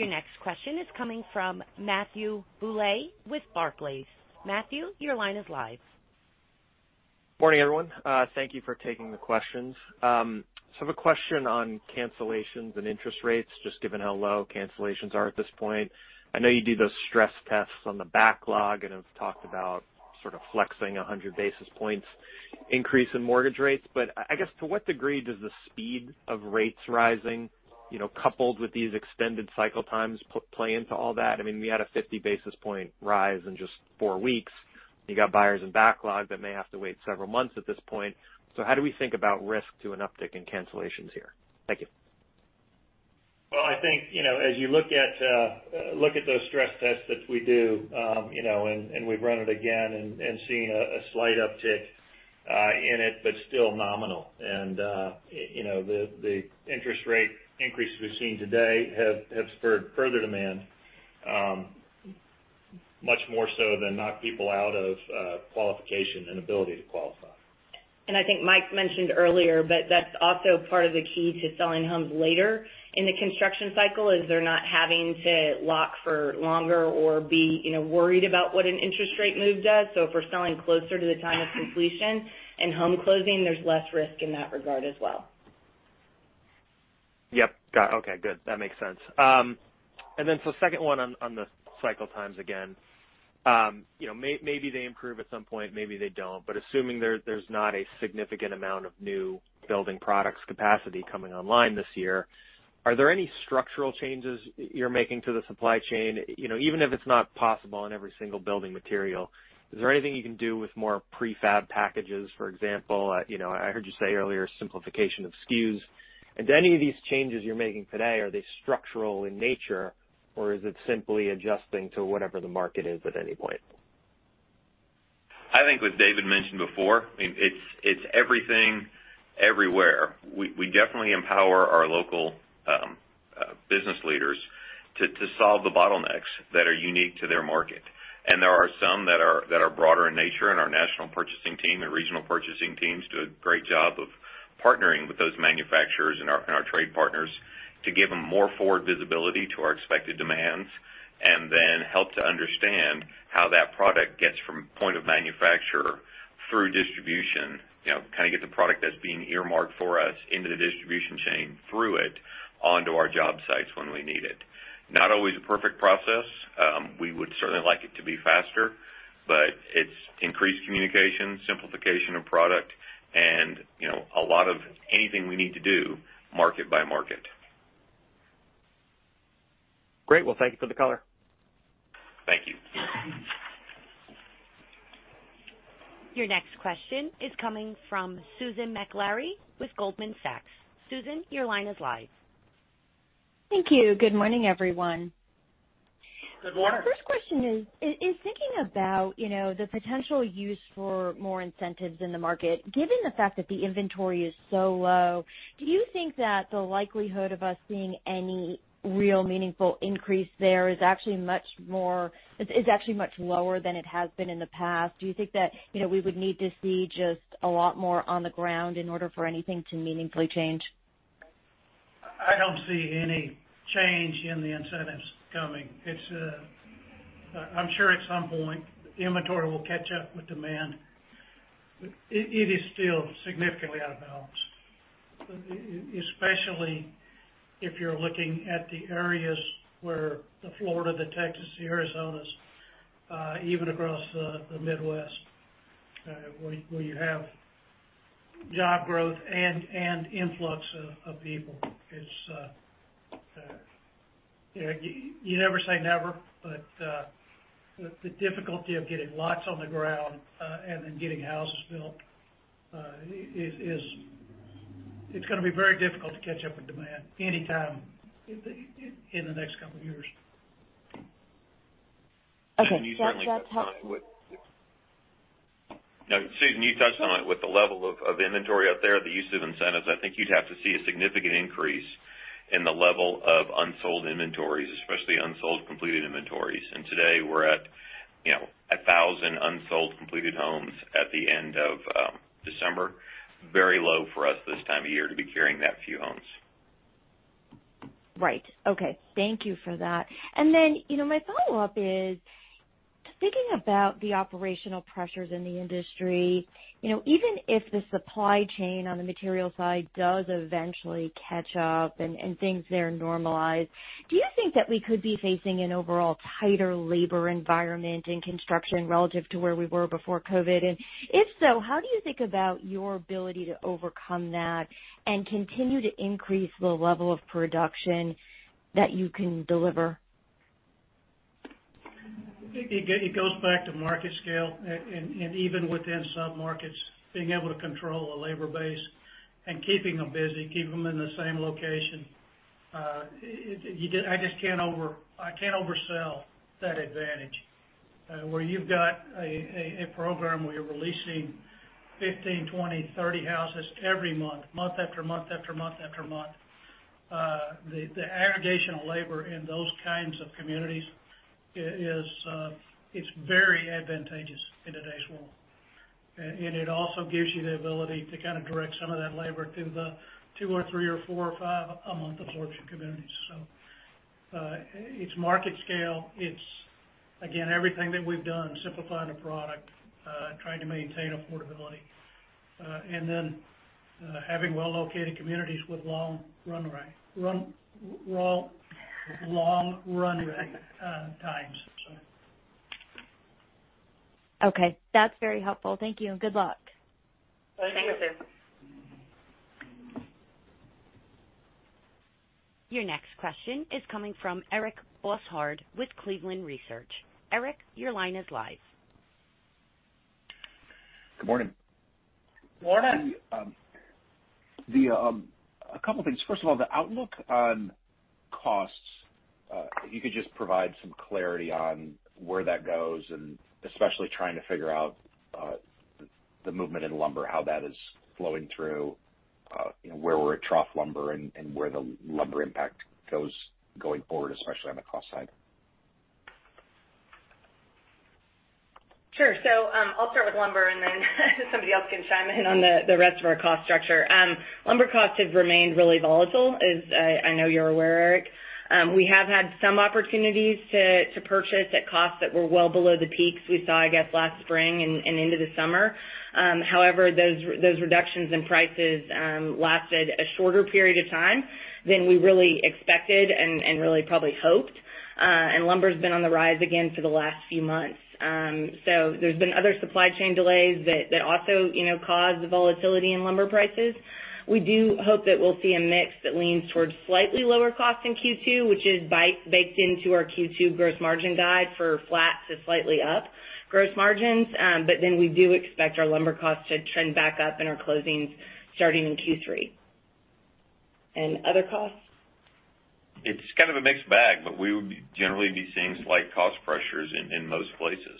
Your next question is coming from Matthew Bouley with Barclays. Matthew, your line is live. Morning, everyone. Thank you for taking the questions. I have a question on cancellations and interest rates, just given how low cancellations are at this point. I know you do those stress tests on the backlog and have talked about sort of flexing a 100 basis points increase in mortgage rates. I guess to what degree does the speed of rates rising, you know, coupled with these extended cycle times play into all that? I mean, we had a 50 basis point rise in just four weeks. You got buyers in backlog that may have to wait several months at this point. How do we think about risk to an uptick in cancellations here? Thank you. Well, I think, you know, as you look at those stress tests that we do, you know, and we've run it again and seen a slight uptick in it, but still nominal. You know, the interest rate increase we've seen today have spurred further demand, much more so than knock people out of qualification and ability to qualify. I think Mike mentioned earlier, but that's also part of the key to selling homes later in the construction cycle, is they're not having to lock for longer or be, you know, worried about what an interest rate move does. If we're selling closer to the time of completion and home closing, there's less risk in that regard as well. Yep. Got it. Okay, good. That makes sense. Second one on the cycle times again. You know, maybe they improve at some point, maybe they don't. But assuming there's not a significant amount of new building products capacity coming online this year, are there any structural changes you're making to the supply chain? You know, even if it's not possible in every single building material, is there anything you can do with more prefab packages, for example? You know, I heard you say earlier, simplification of SKUs. Do any of these changes you're making today, are they structural in nature, or is it simply adjusting to whatever the market is at any point? I think as David mentioned before, I mean, it's everything everywhere. We definitely empower our local business leaders to solve the bottlenecks that are unique to their market. There are some that are broader in nature, and our national purchasing team and regional purchasing teams do a great job of partnering with those manufacturers and our trade partners to give them more forward visibility to our expected demands, and then help to understand how that product gets from point of manufacturer through distribution, you know, kind of get the product that's being earmarked for us into the distribution chain through it, onto our job sites when we need it. Not always a perfect process. We would certainly like it to be faster, but it's increased communication, simplification of product, and, you know, a lot of anything we need to do market by market. Great. Well, thank you for the color. Thank you. Your next question is coming from Susan Maklari with Goldman Sachs. Susan, your line is live. Thank you. Good morning, everyone. Good morning. First question is, in thinking about, you know, the potential use for more incentives in the market, given the fact that the inventory is so low, do you think that the likelihood of us seeing any real meaningful increase there is actually much lower than it has been in the past? Do you think that, you know, we would need to see just a lot more on the ground in order for anything to meaningfully change? I don't see any change in the incentives coming. It's, I'm sure at some point the inventory will catch up with demand. It is still significantly out of balance, especially if you're looking at the areas where Florida, Texas, Arizona, even across the Midwest, where you have job growth and influx of people. It's, you know, you never say never, but the difficulty of getting lots on the ground and then getting houses built is. It's gonna be very difficult to catch up with demand anytime in the next couple of years. Okay. That helps. Susan, you touched on it with the level of inventory out there, the use of incentives. I think you'd have to see a significant increase in the level of unsold inventories, especially unsold completed inventories. Today, we're at, you know, 1,000 unsold completed homes at the end of December. Very low for us this time of year to be carrying that few homes. Right. Okay. Thank you for that. Then, you know, my follow-up is thinking about the operational pressures in the industry, you know, even if the supply chain on the material side does eventually catch up and things there normalize, do you think that we could be facing an overall tighter labor environment in construction relative to where we were before COVID? And if so, how do you think about your ability to overcome that and continue to increase the level of production that you can deliver? It goes back to market scale, and even within submarkets, being able to control a labor base and keeping them busy, keeping them in the same location. I just can't oversell that advantage. Where you've got a program where you're releasing 15, 20, 30 houses every month after month, the aggregation of labor in those kinds of communities is. It's very advantageous in today's world. It also gives you the ability to kind of direct some of that labor to the two or three or four or five a-month absorption communities. It's market scale. It's, again, everything that we've done, simplifying the product, trying to maintain affordability, and then having well-located communities with long run rate times. Okay. That's very helpful. Thank you and good luck. Thank you. Thank you, Susan. Your next question is coming from Eric Bosshard with Cleveland Research. Eric, your line is live. Good morning. Morning. A couple of things. First of all, the outlook on costs, if you could just provide some clarity on where that goes, and especially trying to figure out the movement in lumber, how that is flowing through, you know, where we're at trough lumber and where the lumber impact goes going forward, especially on the cost side. Sure. I'll start with lumber and then somebody else can chime in on the rest of our cost structure. Lumber costs have remained really volatile, as I know you're aware, Eric. We have had some opportunities to purchase at costs that were well below the peaks we saw, I guess, last spring and into the summer. However, those reductions in prices lasted a shorter period of time than we really expected and really probably hoped. Lumber's been on the rise again for the last few months. There's been other supply chain delays that also, you know, caused the volatility in lumber prices. We do hope that we'll see a mix that leans towards slightly lower costs in Q2, which is baked into our Q2 gross margin guide for flat to slightly up gross margins. We do expect our lumber costs to trend back up in our closings starting in Q3. Other costs? It's kind of a mixed bag, but we would generally be seeing slight cost pressures in most places.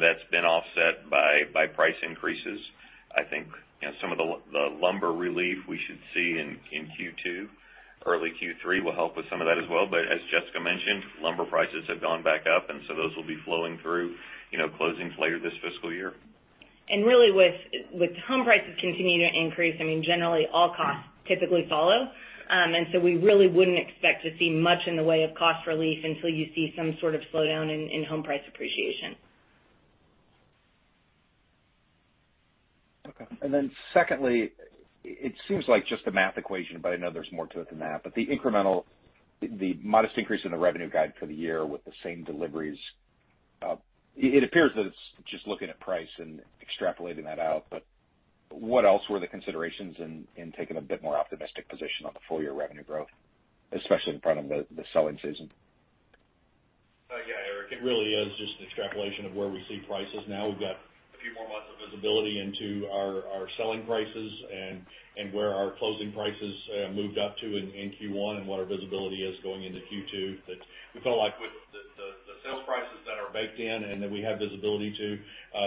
That's been offset by price increases. I think, you know, some of the lumber relief we should see in Q2, early Q3 will help with some of that as well. As Jessica mentioned, lumber prices have gone back up, and so those will be flowing through, you know, closings later this fiscal year. Really with home prices continuing to increase, I mean, generally all costs typically follow. We really wouldn't expect to see much in the way of cost relief until you see some sort of slowdown in home price appreciation. Okay. Secondly, it seems like just a math equation, but I know there's more to it than that. The modest increase in the revenue guide for the year with the same deliveries, it appears that it's just looking at price and extrapolating that out. What else were the considerations in taking a bit more optimistic position on the full year revenue growth, especially in front of the selling season? Yeah, Eric, it really is just an extrapolation of where we see prices now. We've got a few more months of visibility into our selling prices and where our closing prices moved up to in Q1 and what our visibility is going into Q2, that we felt like with the sales prices that are baked in and that we have visibility to,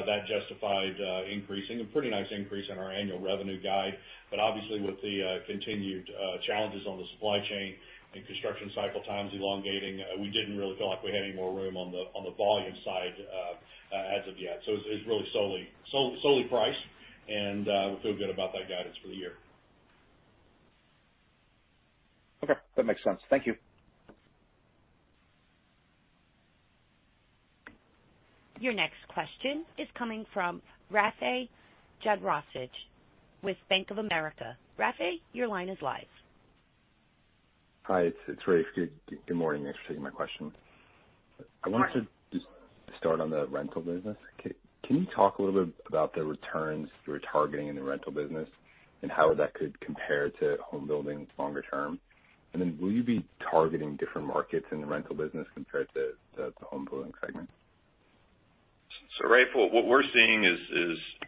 that justified increasing a pretty nice increase in our annual revenue guide. Obviously with the continued challenges on the supply chain and construction cycle times elongating, we didn't really feel like we had any more room on the volume side as of yet. It's really solely price, and we feel good about that guidance for the year. Okay, that makes sense. Thank you. Your next question is coming from Rafe Jadrosich with Bank of America. Rafe, your line is live. Hi, it's Rafe. Good morning. Thanks for taking my question. Hi, Rafe Jadrosich. I wanted to just start on the rental business. Can you talk a little bit about the returns you were targeting in the rental business and how that could compare to home building longer term? Will you be targeting different markets in the rental business compared to the home building segment? Rafe, what we're seeing is,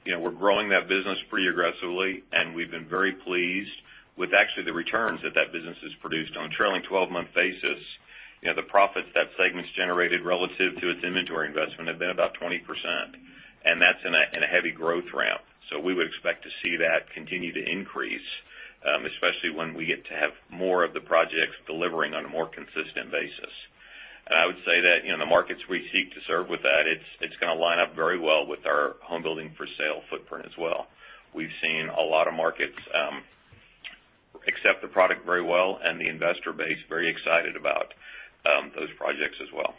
you know, we're growing that business pretty aggressively, and we've been very pleased with actually the returns that business has produced. On a trailing 12 month basis, you know, the profits that segment's generated relative to its inventory investment have been about 20%, and that's in a heavy growth ramp. We would expect to see that continue to increase, especially when we get to have more of the projects delivering on a more consistent basis. I would say that, you know, the markets we seek to serve with that, it's gonna line up very well with our home building for sale footprint as well. We've seen a lot of markets accept the product very well, and the investor base very excited about those projects as well.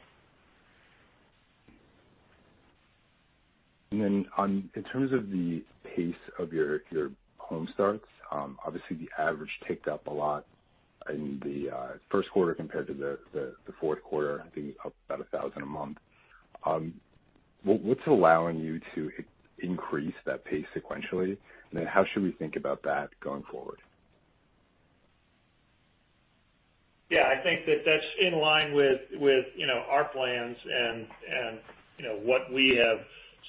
In terms of the pace of your home starts, obviously the average ticked up a lot in the first quarter compared to the fourth quarter, I think up about 1,000 a month. What's allowing you to increase that pace sequentially? How should we think about that going forward? Yeah, I think that's in line with you know, our plans and you know, what we have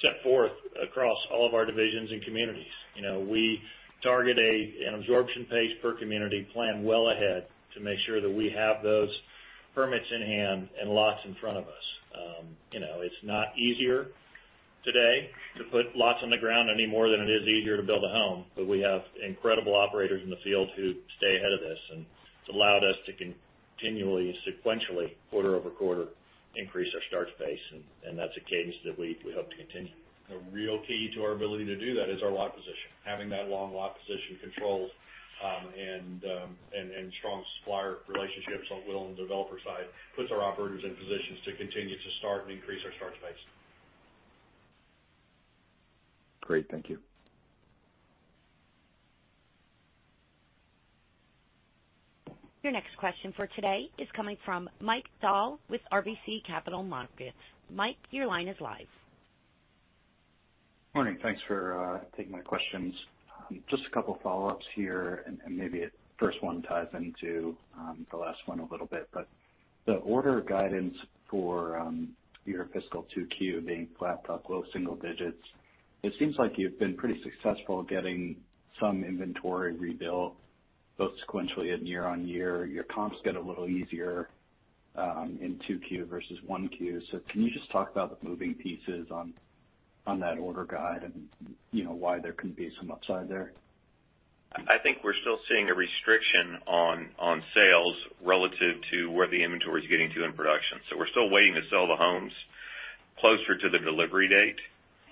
set forth across all of our divisions and communities. You know, we target an absorption pace per community, plan well ahead to make sure that we have those permits in hand and lots in front of us. You know, it's not easier today to put lots on the ground any more than it is easier to build a home, but we have incredible operators in the field who stay ahead of this, and it's allowed us to continually, sequentially, quarter over quarter, increase our starts pace. That's a cadence that we hope to continue. A real key to our ability to do that is our lot position. Having that long lot position controlled, and strong supplier relationships on build and developer side puts our operators in positions to continue to start and increase our starts pace. Great. Thank you. Your next question for today is coming from Michael Dahl with RBC Capital Markets. Mike, your line is live. Morning. Thanks for taking my questions. Just a couple follow-ups here, and maybe a first one ties into the last one a little bit. The order guidance for your fiscal 2Q being flat to low single digits, it seems like you've been pretty successful getting some inventory rebuilt, both sequentially and year-over-year. Your comps get a little easier in 2Q versus 1Q. Can you just talk about the moving pieces on that order guide and, you know, why there can be some upside there? I think we're still seeing a restriction on sales relative to where the inventory is getting to in production. We're still waiting to sell the homes closer to the delivery date.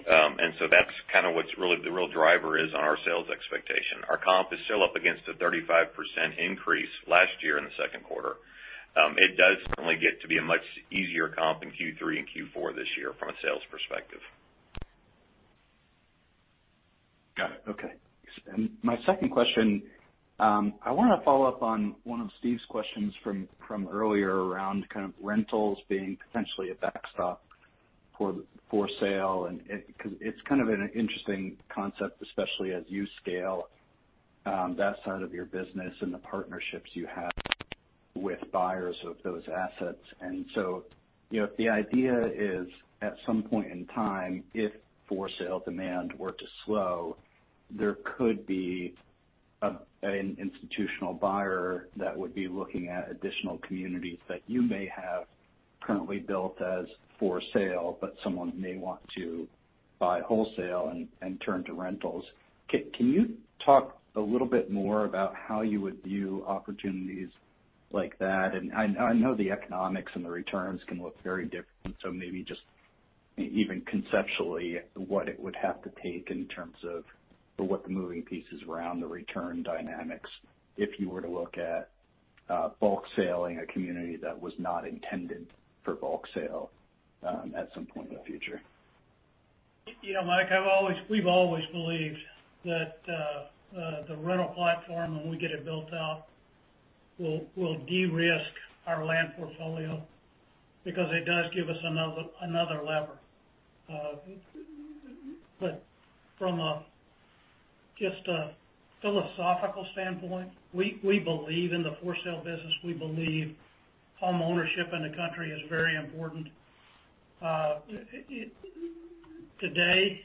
That's kind of what's really the real driver is on our sales expectation. Our comp is still up against a 35% increase last year in the second quarter. It does only get to be a much easier comp in Q3 and Q4 this year from a sales perspective. Got it. Okay. My second question, I wanna follow up on one of Steve's questions from earlier around kind of rentals being potentially a backstop for sale. Because it's kind of an interesting concept, especially as you scale that side of your business and the partnerships you have with buyers of those assets. You know, if the idea is at some point in time, if for-sale demand were to slow, there could be an institutional buyer that would be looking at additional communities that you may have currently built as for sale, but someone may want to buy wholesale and turn to rentals. Can you talk a little bit more about how you would view opportunities like that? I know the economics and the returns can look very different, so maybe just even conceptually, what it would have to take in terms of, or what the moving pieces around the return dynamics if you were to look at bulk selling a community that was not intended for bulk sale at some point in the future. You know, Mike, we've always believed that the rental platform, when we get it built out, will de-risk our land portfolio because it does give us another lever. From just a philosophical standpoint, we believe in the for-sale business. We believe homeownership in the country is very important. Today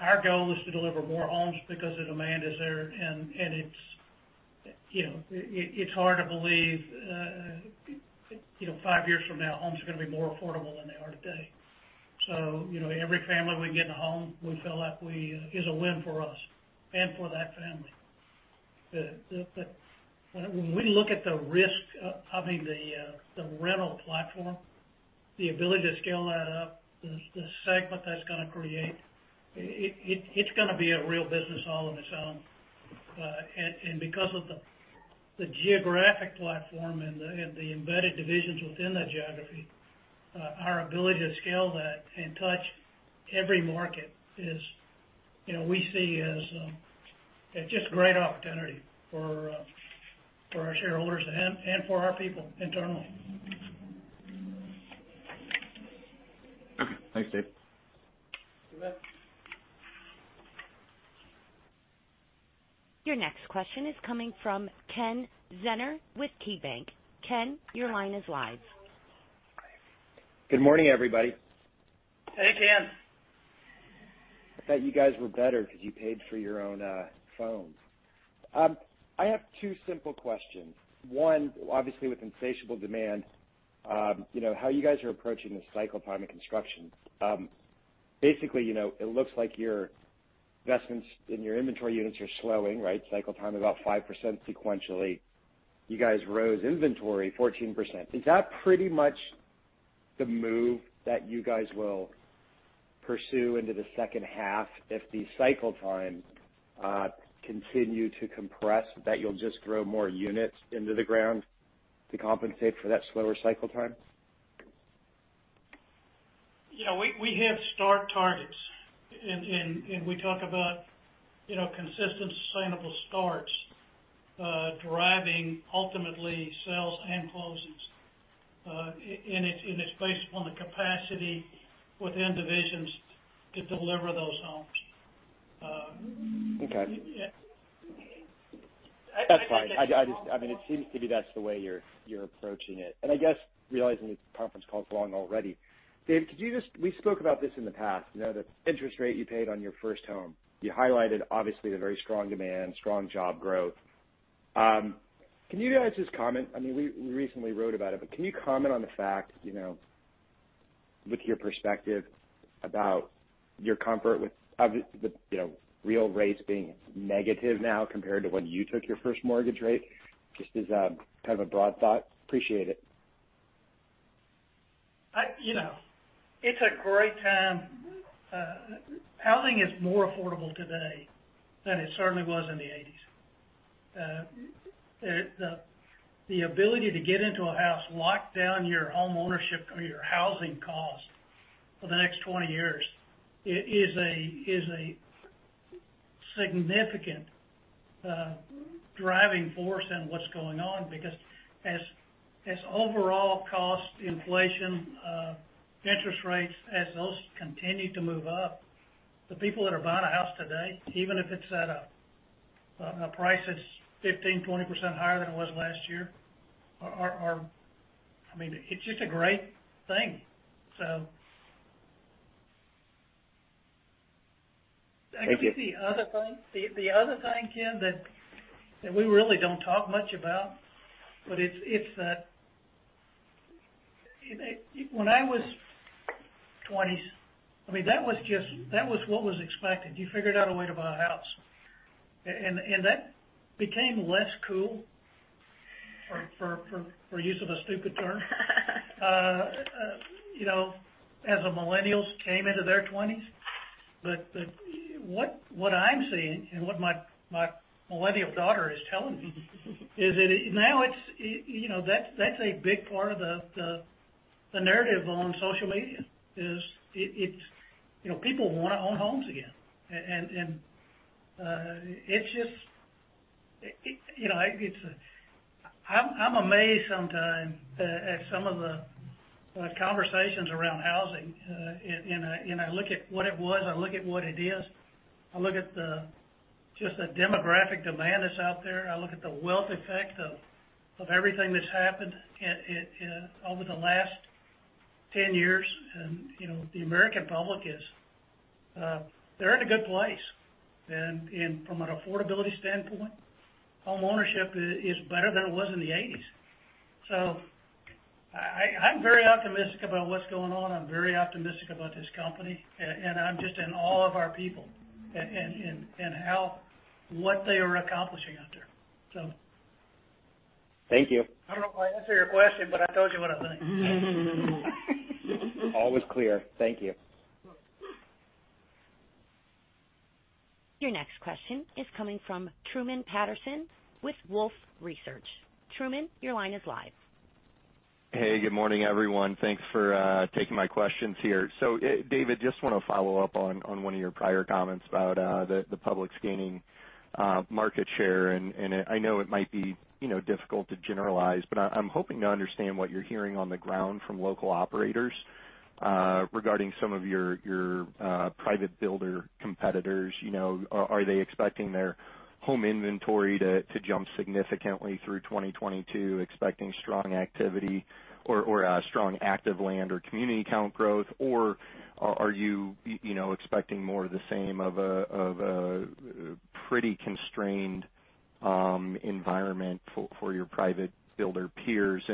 our goal is to deliver more homes because the demand is there and it's, you know, it's hard to believe, you know, five years from now, homes are gonna be more affordable than they are today. You know, every family we get in a home, we feel like it is a win for us and for that family. When we look at the risk of, I mean, the rental platform, the ability to scale that up, the segment that's gonna create, it's gonna be a real business all on its own. Because of the geographic platform and the embedded divisions within that geography, our ability to scale that and touch every market is, you know, we see as just great opportunity for our shareholders and for our people internally. Okay. Thanks, Dave. You bet. Your next question is coming from Kenneth Zener with Seaport Research Partners. Ken, your line is live. Good morning, everybody. Hey, Ken. I thought you guys were better 'cause you paid for your own phones. I have two simple questions. One, obviously, with insatiable demand, you know, how you guys are approaching the cycle time in construction. Basically, you know, it looks like your investments in your inventory units are slowing, right? Cycle time is up 5% sequentially. Your inventory rose 14%. Is that pretty much the move that you guys will pursue into the second half if the cycle time continue to compress, that you'll just throw more units into the ground to compensate for that slower cycle time? Yeah. We have start targets and we talk about, you know, consistent sustainable starts driving ultimately sales and closes. It's based upon the capacity within divisions to deliver those homes. Okay. Yeah. That's fine. I just I mean, it seems to be that's the way you're approaching it. I guess realizing this conference call is long already. Dave, We spoke about this in the past, you know, the interest rate you paid on your first home. You highlighted obviously the very strong demand, strong job growth. Can you guys just comment, I mean, we recently wrote about it, but can you comment on the fact, you know, with your perspective about your comfort with the, you know, real rates being negative now compared to when you took your first mortgage rate, just as a kind of a broad thought? Appreciate it. You know, it's a great time. Housing is more affordable today than it certainly was in the eighties. The ability to get into a house, lock down your homeownership or your housing cost for the next 20 years is a significant driving force in what's going on. Because as overall cost inflation, interest rates, as those continue to move up, the people that are buying a house today, even if it's at a price that's 15, 20% higher than it was last year, are. I mean, it's just a great thing. Thank you. Actually, the other thing, Ken, that we really don't talk much about, but it's that. When I was in my twenties, I mean, that was just what was expected. You figured out a way to buy a house. And that became less cool, for use of a stupid term, you know, as the millennials came into their twenties. What I'm seeing, and what my millennial daughter is telling me is that now it's you know, that's a big part of the narrative on social media, it's you know, people wanna own homes again. And it's just, it you know, it's I'm amazed sometimes at some of the conversations around housing. I look at what it was. I look at what it is. I look at just the demographic demand that's out there. I look at the wealth effect of everything that's happened over the last 10 years, you know, the American public, they're in a good place. From an affordability standpoint, home ownership is better than it was in the eighties. I'm very optimistic about what's going on. I'm very optimistic about this company. I'm just in awe of our people and what they are accomplishing out there. Thank you. I don't know if I answered your question, but I told you what I think. All was clear. Thank you. Your next question is coming from Truman Patterson with Wolfe Research. Truman, your line is live. Hey, good morning, everyone. Thanks for taking my questions here. David, just wanna follow up on one of your prior comments about the public's gaining market share. I know it might be, you know, difficult to generalize, but I'm hoping to understand what you're hearing on the ground from local operators regarding some of your private builder competitors. You know, are they expecting their home inventory to jump significantly through 2022, expecting strong activity or strong active land or community count growth? Or are you you know, expecting more of the same of a pretty constrained environment for your private builder peers?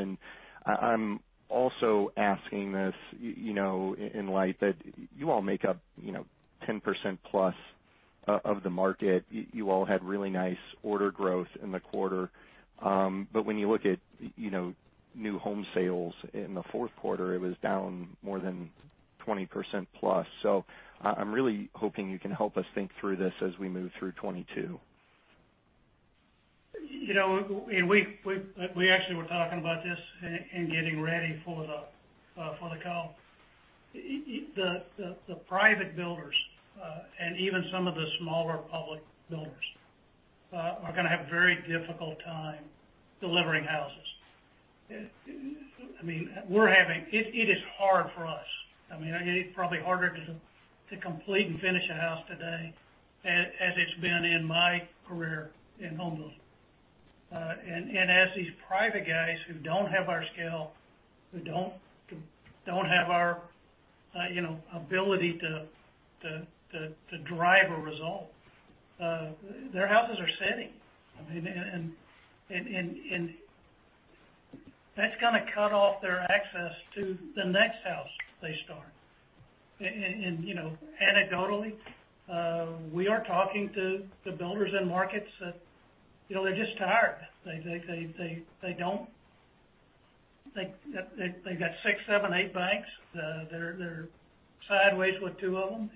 I'm also asking this, you know, in light that you all make up, you know, 10% plus of the market. You all had really nice order growth in the quarter. When you look at, you know, new home sales in the fourth quarter, it was down more than 20% plus. I'm really hoping you can help us think through this as we move through 2022. You know, we actually were talking about this in getting ready for the call. The private builders and even some of the smaller public builders are gonna have a very difficult time delivering houses. I mean, it is hard for us. I mean, it's probably harder to complete and finish a house today as it's been in my career in home building. That's gonna cut off their access to the next house they start. You know, anecdotally, we are talking to the builders in markets that, you know, they're just tired. They don't. They've got six, seven, eight banks. They're sideways with two of them.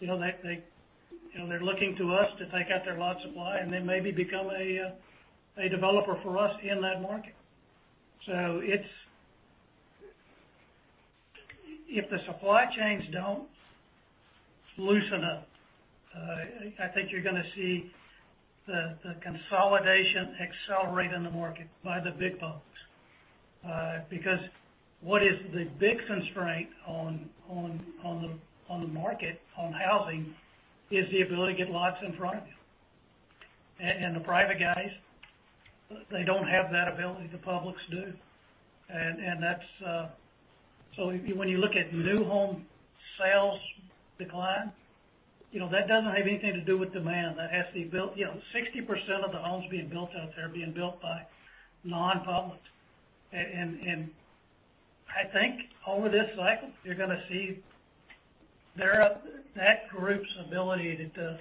You know, they're looking to us to take out their lot supply and then maybe become a developer for us in that market. If the supply chains don't loosen up, I think you're gonna see the consolidation accelerate in the market by the big publics. Because what is the big constraint on the market, on housing, is the ability to get lots in front of you. The private guys, they don't have that ability. The publics do. That's. When you look at new home sales decline, you know, that doesn't have anything to do with demand. That has to be built. You know, 60% of the homes being built out there are being built by non-publics. I think over this cycle, you're gonna see their, that group's ability to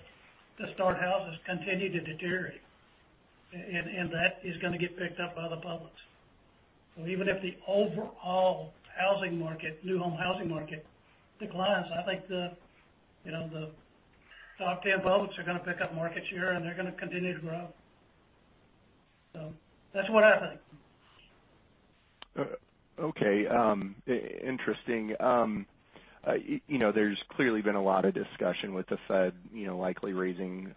start houses continue to deteriorate. That is gonna get picked up by the publics. Even if the overall housing market, new home housing market declines, I think the, you know, the top 10 publics are gonna pick up market share, and they're gonna continue to grow. That's what I think. Interesting. You know, there's clearly been a lot of discussion with the Fed, you know, likely raising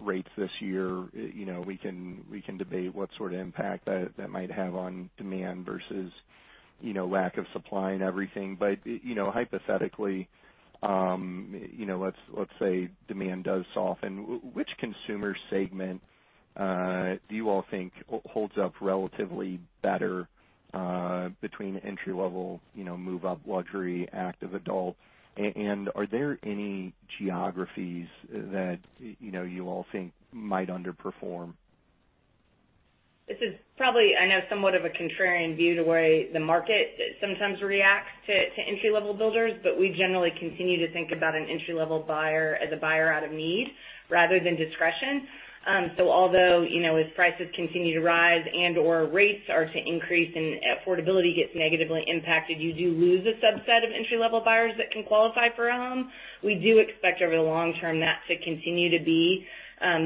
rates this year. You know, we can debate what sort of impact that might have on demand versus, you know, lack of supply and everything. You know, hypothetically, you know, let's say demand does soften. Which consumer segment do you all think holds up relatively better between entry level, you know, move up luxury, active adult? And are there any geographies that, you know, you all think might underperform? This is probably, I know, somewhat of a contrarian view to the way the market sometimes reacts to entry-level builders, but we generally continue to think about an entry-level buyer as a buyer out of need rather than discretion. Although, you know, as prices continue to rise and or rates are to increase and affordability gets negatively impacted, you do lose a subset of entry-level buyers that can qualify for a home. We do expect over the long term that to continue to be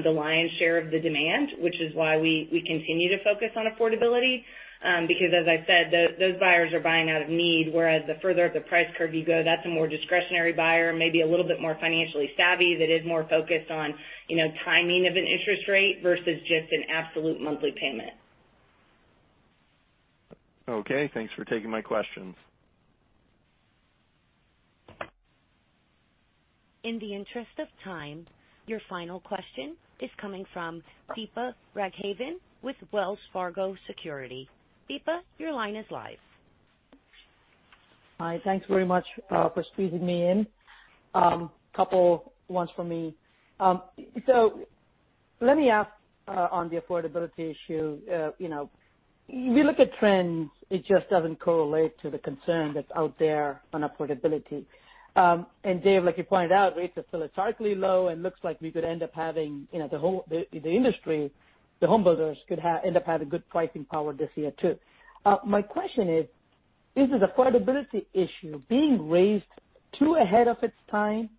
the lion's share of the demand, which is why we continue to focus on affordability, because as I said, those buyers are buying out of need, whereas the further up the price curve you go, that's a more discretionary buyer, maybe a little bit more financially savvy, that is more focused on, you know, timing of an interest rate versus just an absolute monthly payment. Okay, thanks for taking my questions. In the interest of time, your final question is coming from Deepa Raghavan with Wells Fargo Securities. Deepa, your line is live. Hi. Thanks very much for squeezing me in. Couple ones from me. So let me ask on the affordability issue, you know, we look at trends, it just doesn't correlate to the concern that's out there on affordability. Dave, like you pointed out, rates are historically low and looks like we could end up having, you know, the whole industry, the homebuilders could end up having good pricing power this year too. My question is the affordability issue being raised too ahead of its time,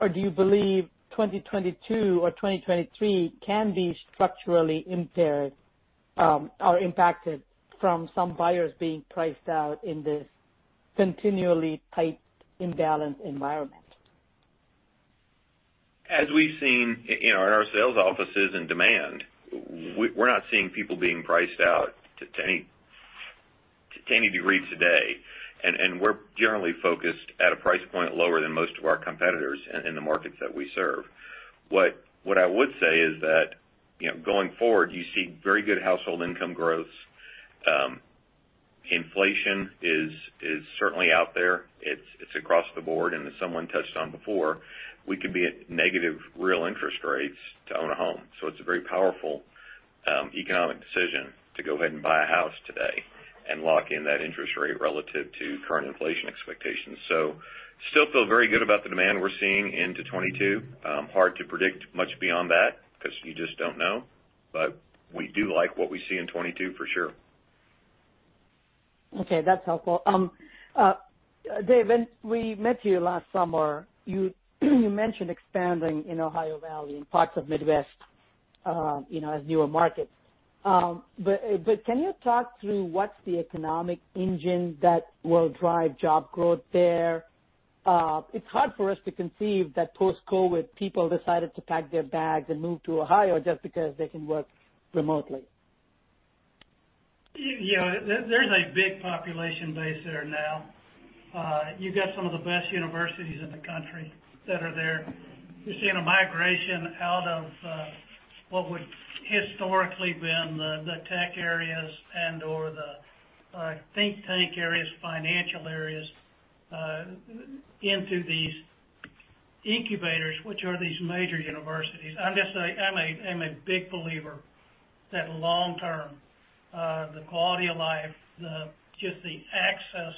or do you believe 2022 or 2023 can be structurally impaired, or impacted from some buyers being priced out in this continually tight imbalance environment? As we've seen in our sales offices and demand, we're not seeing people being priced out to any degree today, and we're generally focused at a price point lower than most of our competitors in the markets that we serve. What I would say is that, you know, going forward, you see very good household income growth. Inflation is certainly out there. It's across the board, and as someone touched on before, we could be at negative real interest rates to own a home. It's a very powerful economic decision to go ahead and buy a house today and lock in that interest rate relative to current inflation expectations. Still feel very good about the demand we're seeing into 2022. Hard to predict much beyond that because you just don't know. We do like what we see in 2022 for sure. Okay, that's helpful. David Auld, when we met you last summer, you mentioned expanding in Ohio Valley and parts of Midwest, you know, as newer markets. Can you talk through what's the economic engine that will drive job growth there? It's hard for us to conceive that post-COVID, people decided to pack their bags and move to Ohio just because they can work remotely. Yeah, there's a big population base there now. You've got some of the best universities in the country that are there. You're seeing a migration out of what would historically been the tech areas and/or the think tank areas, financial areas, into these incubators, which are these major universities. I'm just a big believer that long term the quality of life, just the access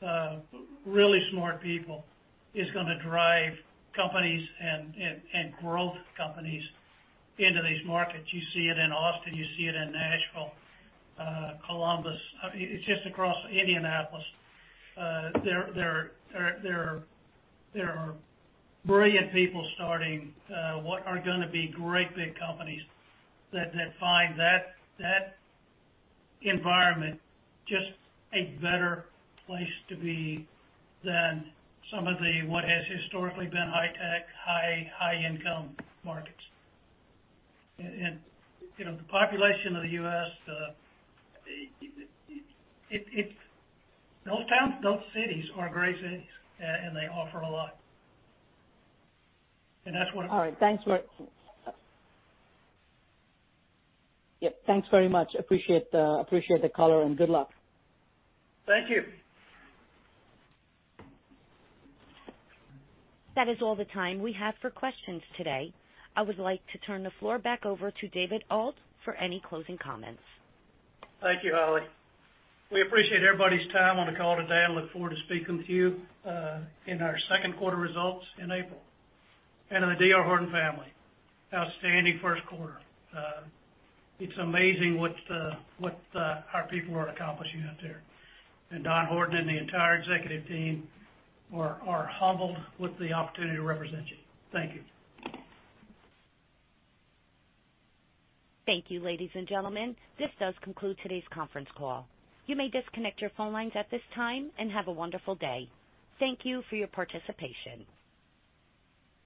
to really smart people is gonna drive companies and growth companies into these markets. You see it in Austin, you see it in Nashville, Columbus. It's just across Indianapolis. There are brilliant people starting what are gonna be great big companies that find that environment just a better place to be than some of the what has historically been high tech, high-income markets. You know, the population of the U.S., those towns, those cities are great cities and they offer a lot. That's what. All right. Yep, thanks very much. Appreciate the color, and good luck. Thank you. That is all the time we have for questions today. I would like to turn the floor back over to David Auld for any closing comments. Thank you, Holly. We appreciate everybody's time on the call today and look forward to speaking with you in our second quarter results in April. To the D.R. Horton family, outstanding first quarter. It's amazing what our people are accomplishing out there. Don Horton and the entire executive team are humbled with the opportunity to represent you. Thank you. Thank you, ladies and gentlemen. This does conclude today's conference call. You may disconnect your phone lines at this time, and have a wonderful day. Thank you for your participation.